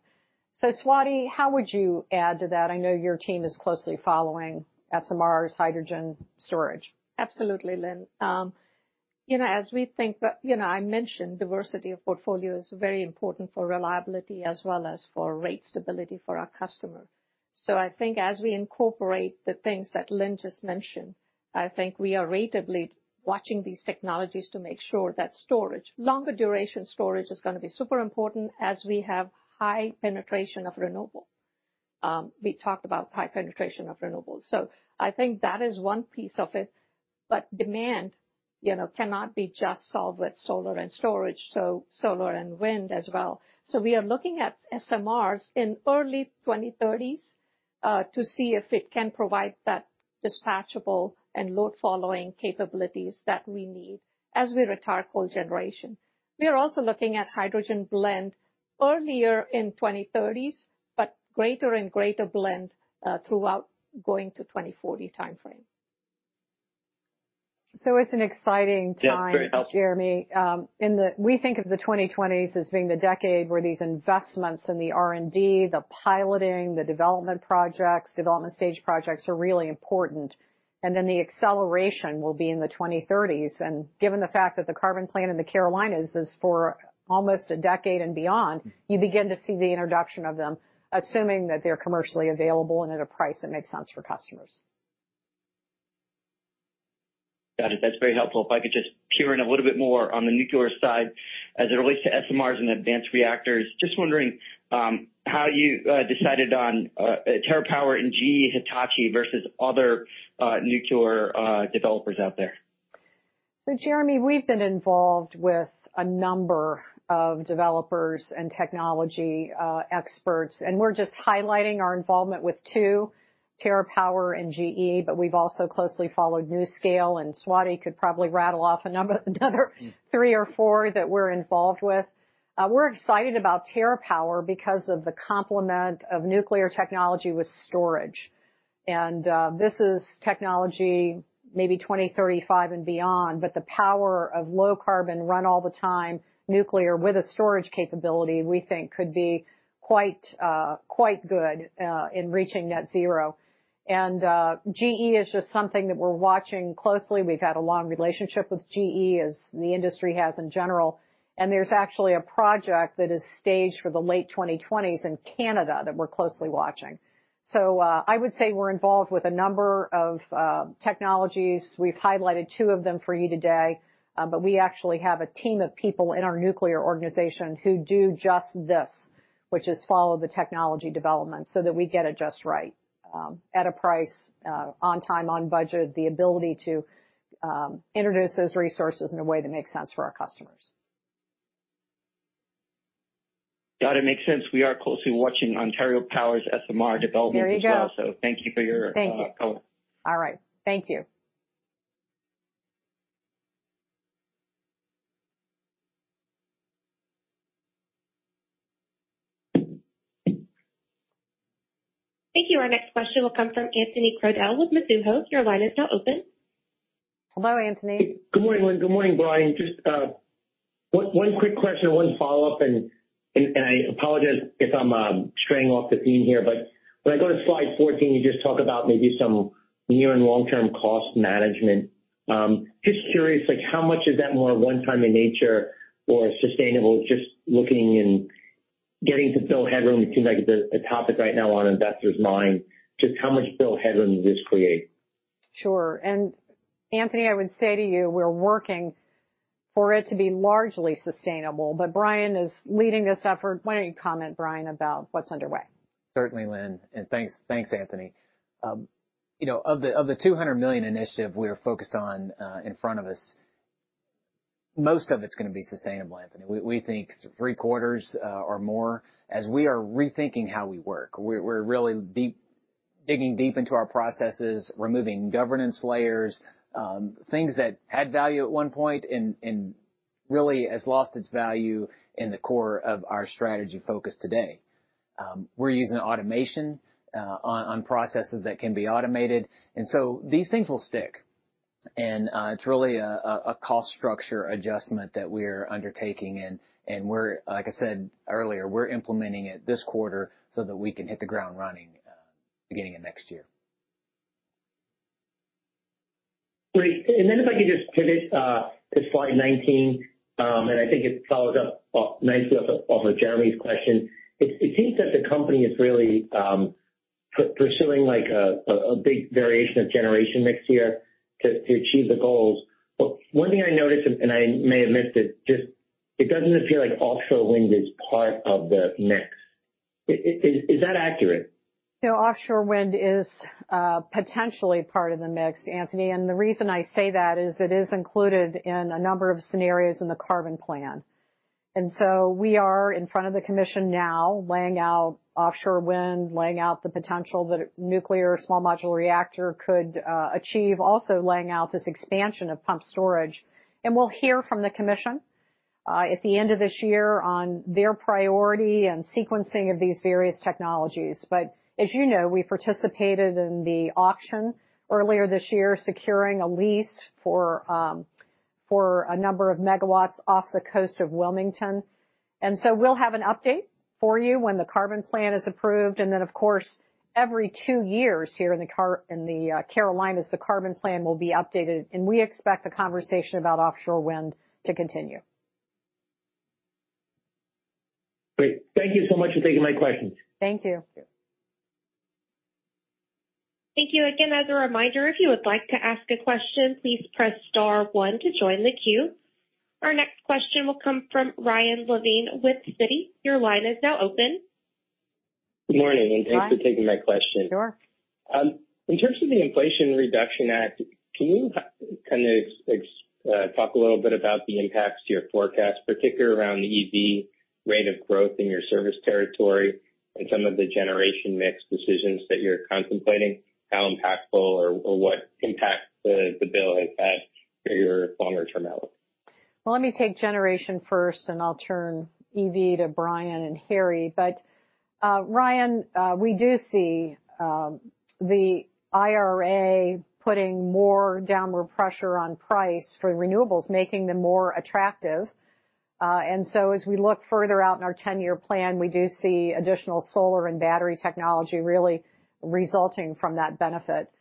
Swati, how would you add to that? I know your team is closely following SMR's hydrogen storage. Absolutely, Lynn. You know, as we think that, you know, I mentioned diversity of portfolio is very important for reliability as well as for rate stability for our customer. I think as we incorporate the things that Lynn just mentioned, I think we are ratably watching these technologies to make sure that storage, longer duration storage is gonna be super important as we have high penetration of renewable. We talked about high penetration of renewables. I think that is one piece of it. Demand, you know, cannot be just solved with solar and storage, so solar and wind as well. We are looking at SMRs in early 2030s to see if it can provide that dispatchable and load-following capabilities that we need as we retire coal generation. We are also looking at hydrogen blend earlier in 2030s, but greater and greater blend, throughout going to 2040 timeframe. It's an exciting time. Yeah, it's very helpful. Jeremy. We think of the 2020s as being the decade where these investments in the R&D, the piloting, the development projects, development stage projects are really important. The acceleration will be in the 2030s. Given the fact that the Carbon Plan in the Carolinas is for almost a decade and beyond, you begin to see the introduction of them, assuming that they're commercially available and at a price that makes sense for customers. Got it. That's very helpful. If I could just zero in a little bit more on the nuclear side as it relates to SMRs and advanced reactors. Just wondering how you decided on TerraPower and GE Hitachi versus other nuclear developers out there. Jeremy, we've been involved with a number of developers and technology experts, and we're just highlighting our involvement with two, TerraPower and GE, but we've also closely followed NuScale, and Swati could probably rattle off a number another three or four that we're involved with. We're excited about TerraPower because of the complement of nuclear technology with storage. This is technology maybe 2035 and beyond, but the power of low carbon run all the time, nuclear with a storage capability, we think could be quite good in reaching net zero. GE is just something that we're watching closely. We've had a long relationship with GE, as the industry has in general. There's actually a project that is staged for the late 2020s in Canada that we're closely watching. I would say we're involved with a number of technologies. We've highlighted two of them for you today, but we actually have a team of people in our nuclear organization who do just this, which is follow the technology development so that we get it just right, at a price, on time, on budget, the ability to introduce those resources in a way that makes sense for our customers. Got it. Makes sense. We are closely watching Ontario Power Generation's SMR development as well. There you go. Thank you for your comment. Thank you. All right. Thank you. Thank you. Our next question will come from Anthony Crowdell with Mizuho. Your line is now open. Hello, Anthony. Good morning, Lynn. Good morning, Brian. Just one quick question and one follow-up, and I apologize if I'm straying off the theme here. When I go to slide 14, you just talk about maybe some near and long-term cost management. Just curious, like how much is that more one time in nature or sustainable, just looking and getting to bill headroom it seems like a topic right now on investors' mind. Just how much bill headroom does this create? Sure. Anthony, I would say to you, we're working for it to be largely sustainable, but Brian is leading this effort. Why don't you comment, Brian, about what's underway? Certainly, Lynn, and thanks, Anthony. You know, of the $200 million initiative we are focused on in front of us, most of it's gonna be sustainable, Anthony. We think three-quarters or more as we are rethinking how we work. We're really digging deep into our processes, removing governance layers, things that had value at one point and really has lost its value in the core of our strategy focus today. We're using automation on processes that can be automated, and so these things will stick. It's really a cost structure adjustment that we're undertaking, and like I said earlier, we're implementing it this quarter so that we can hit the ground running beginning of next year. Great. Then if I could just pivot to slide 19, and I think it follows up nicely off of Jeremy's question. It seems that the company is really pursuing like a big variation of generation mix here to achieve the goals, but one thing I noticed, and I may have missed it, just it doesn't appear like offshore wind is part of the mix. Is that accurate? No, offshore wind is potentially part of the mix, Anthony. The reason I say that is it is included in a number of scenarios in the Carbon Plan. We are in front of the commission now laying out offshore wind, laying out the potential that a nuclear small modular reactor could achieve, also laying out this expansion of pumped storage. We'll hear from the commission at the end of this year on their priority and sequencing of these various technologies. As you know, we participated in the auction earlier this year, securing a lease for a number of megawatts off the coast of Wilmington. We'll have an update for you when the Carbon Plan is approved. Of course, every two years here in the Carolinas, the Carbon Plan will be updated, and we expect the conversation about offshore wind to continue. Great. Thank you so much for taking my questions. Thank you. Thank you. Again, as a reminder, if you would like to ask a question, please press star one to join the queue. Our next question will come from Ryan Levine with Citi. Your line is now open. Good morning. Hi. Thanks for taking my question. Sure. In terms of the Inflation Reduction Act, can you kinda talk a little bit about the impacts to your forecast, particularly around the EV rate of growth in your service territory and some of the generation mix decisions that you're contemplating, how impactful or what impact the bill has had for your longer-term outlook? Well, let me take generation first, and I'll turn it over to Brian and Harry. Ryan, we do see the IRA putting more downward pressure on price for renewables, making them more attractive. As we look further out in our 10-year plan, we do see additional solar and battery technology really resulting from that benefit.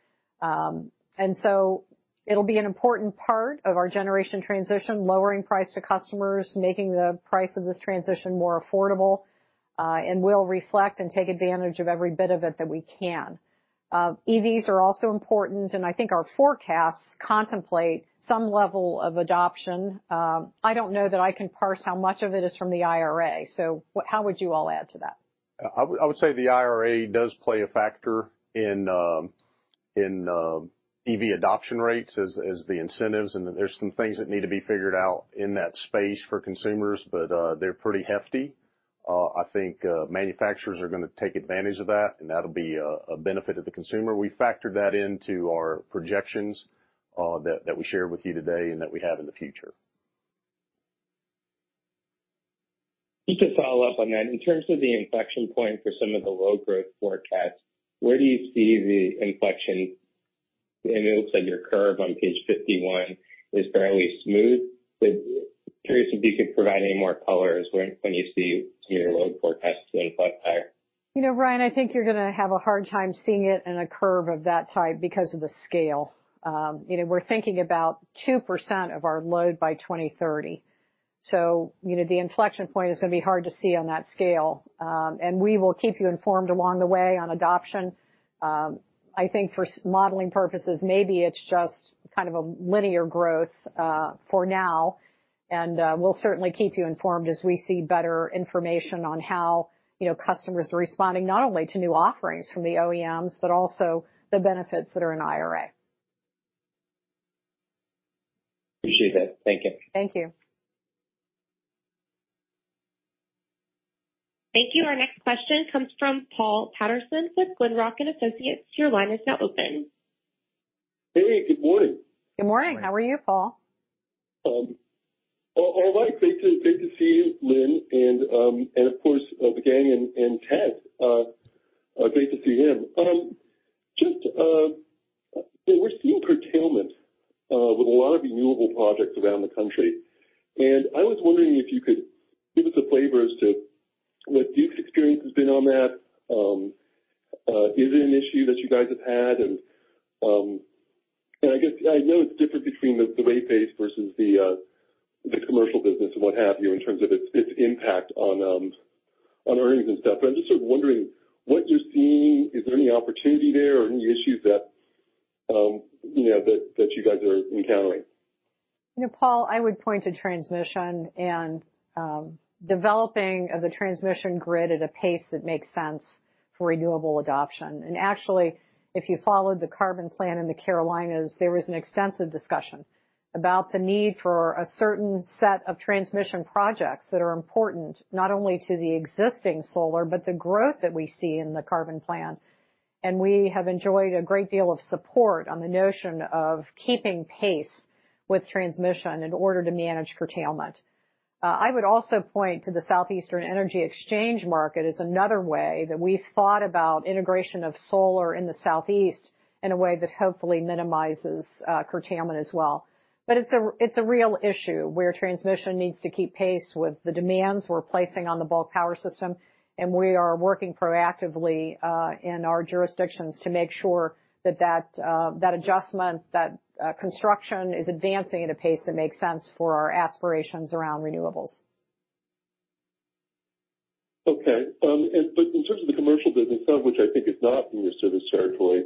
It'll be an important part of our generation transition, lowering price to customers, making the price of this transition more affordable, and we'll reflect and take advantage of every bit of it that we can. EVs are also important, and I think our forecasts contemplate some level of adoption. I don't know that I can parse how much of it is from the IRA, so how would you all add to that? I would say the IRA does play a factor in EV adoption rates as the incentives, and there's some things that need to be figured out in that space for consumers, but they're pretty hefty. I think manufacturers are gonna take advantage of that, and that'll be a benefit to the consumer. We factored that into our projections that we shared with you today and that we have in the future. Just to follow up on that. In terms of the inflection point for some of the low growth forecasts, where do you see the inflection? It looks like your curve on page 51 is fairly smooth. Curious if you could provide any more color as when you see your load forecasts inflection higher. You know, Ryan, I think you're gonna have a hard time seeing it in a curve of that type because of the scale. You know, we're thinking about 2% of our load by 2030. You know, the inflection point is gonna be hard to see on that scale. We will keep you informed along the way on adoption. I think for modeling purposes, maybe it's just kind of a linear growth, for now, and we'll certainly keep you informed as we see better information on how, you know, customers are responding not only to new offerings from the OEMs, but also the benefits that are in IRA. Appreciate that. Thank you. Thank you. Thank you. Our next question comes from Paul Patterson with Glenrock Associates. Your line is now open. Hey, good morning. Good morning. How are you, Paul? All right. Great to see you, Lynn, and of course, the gang and Ted. Great to see him. Just, we're seeing curtailment with a lot of renewable projects around the country, and I was wondering if you could give us a flavor as to what Duke's experience has been on that. Is it an issue that you guys have had? I guess I know it's different between the rate base versus the commercial business and what have you, in terms of its impact on earnings and stuff, but I'm just sort of wondering what you're seeing. Is there any opportunity there or any issues that you know that you guys are encountering? You know, Paul, I would point to transmission and developing of the transmission grid at a pace that makes sense for renewable adoption. Actually, if you followed the Carbon Plan in the Carolinas, there was an extensive discussion about the need for a certain set of transmission projects that are important not only to the existing solar, but the growth that we see in the Carbon Plan. We have enjoyed a great deal of support on the notion of keeping pace with transmission in order to manage curtailment. I would also point to the Southeast Energy Exchange Market as another way that we've thought about integration of solar in the southeast in a way that hopefully minimizes curtailment as well. It's a real issue where transmission needs to keep pace with the demands we're placing on the bulk power system, and we are working proactively in our jurisdictions to make sure that adjustment, that construction is advancing at a pace that makes sense for our aspirations around renewables. Okay. In terms of the commercial business, some of which I think is not in your service territory,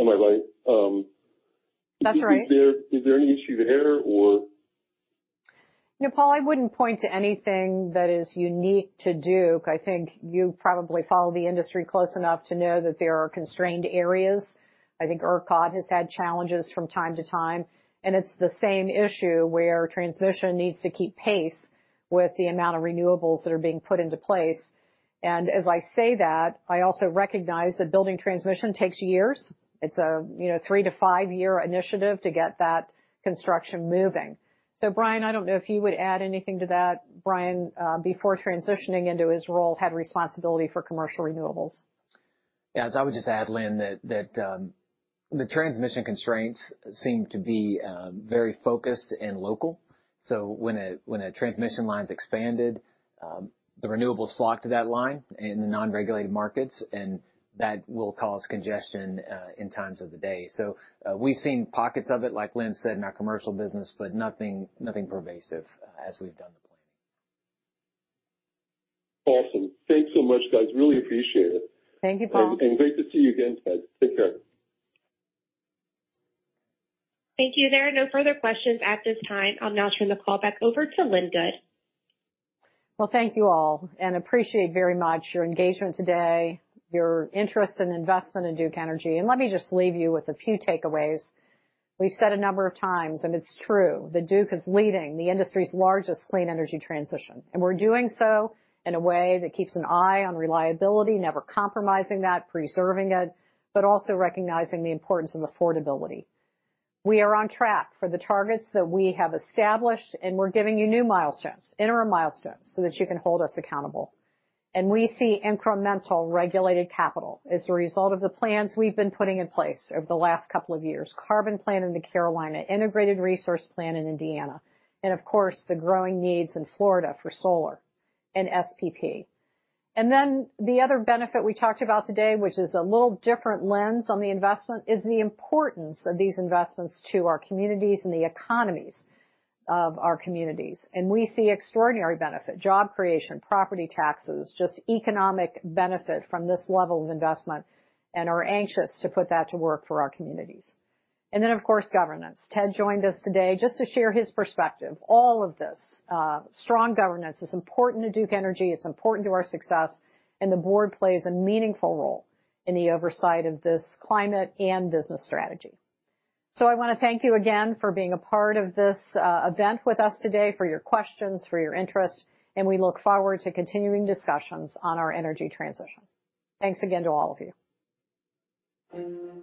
am I right? That's right. Is there any issue there or? You know, Paul, I wouldn't point to anything that is unique to Duke. I think you probably follow the industry close enough to know that there are constrained areas. I think ERCOT has had challenges from time to time, and it's the same issue where transmission needs to keep pace with the amount of renewables that are being put into place. I say that, I also recognize that building transmission takes years. It's a, you know, 3- to 5-year initiative to get that construction moving. Brian, I don't know if you would add anything to that. Brian, before transitioning into his role, had responsibility for commercial renewables. Yes, I would just add, Lynn, that the transmission constraints seem to be very focused and local. When a transmission line's expanded, the renewables flock to that line in the non-regulated markets, and that will cause congestion in times of the day. We've seen pockets of it, like Lynn said, in our commercial business, but nothing pervasive as we've done the planning. Awesome. Thanks so much, guys. Really appreciate it. Thank you, Paul. Great to see you again, Ted. Take care. Thank you. There are no further questions at this time. I'll now turn the call back over to Lynn Good. Well, thank you all, and appreciate very much your engagement today, your interest and investment in Duke Energy. Let me just leave you with a few takeaways. We've said a number of times, and it's true, that Duke is leading the industry's largest clean energy transition, and we're doing so in a way that keeps an eye on reliability, never compromising that, preserving it, but also recognizing the importance of affordability. We are on track for the targets that we have established, and we're giving you new milestones, interim milestones, so that you can hold us accountable. We see incremental regulated capital as a result of the plans we've been putting in place over the last couple of years. Carbon Plan in the Carolinas, Integrated Resource Plan in Indiana, and of course, the growing needs in Florida for solar and SPP. The other benefit we talked about today, which is a little different lens on the investment, is the importance of these investments to our communities and the economies of our communities. We see extraordinary benefit, job creation, property taxes, just economic benefit from this level of investment and are anxious to put that to work for our communities. Of course, governance. Ted joined us today just to share his perspective. All of this, strong governance is important to Duke Energy, it's important to our success, and the board plays a meaningful role in the oversight of this climate and business strategy. I wanna thank you again for being a part of this, event with us today, for your questions, for your interest, and we look forward to continuing discussions on our energy transition. Thanks again to all of you.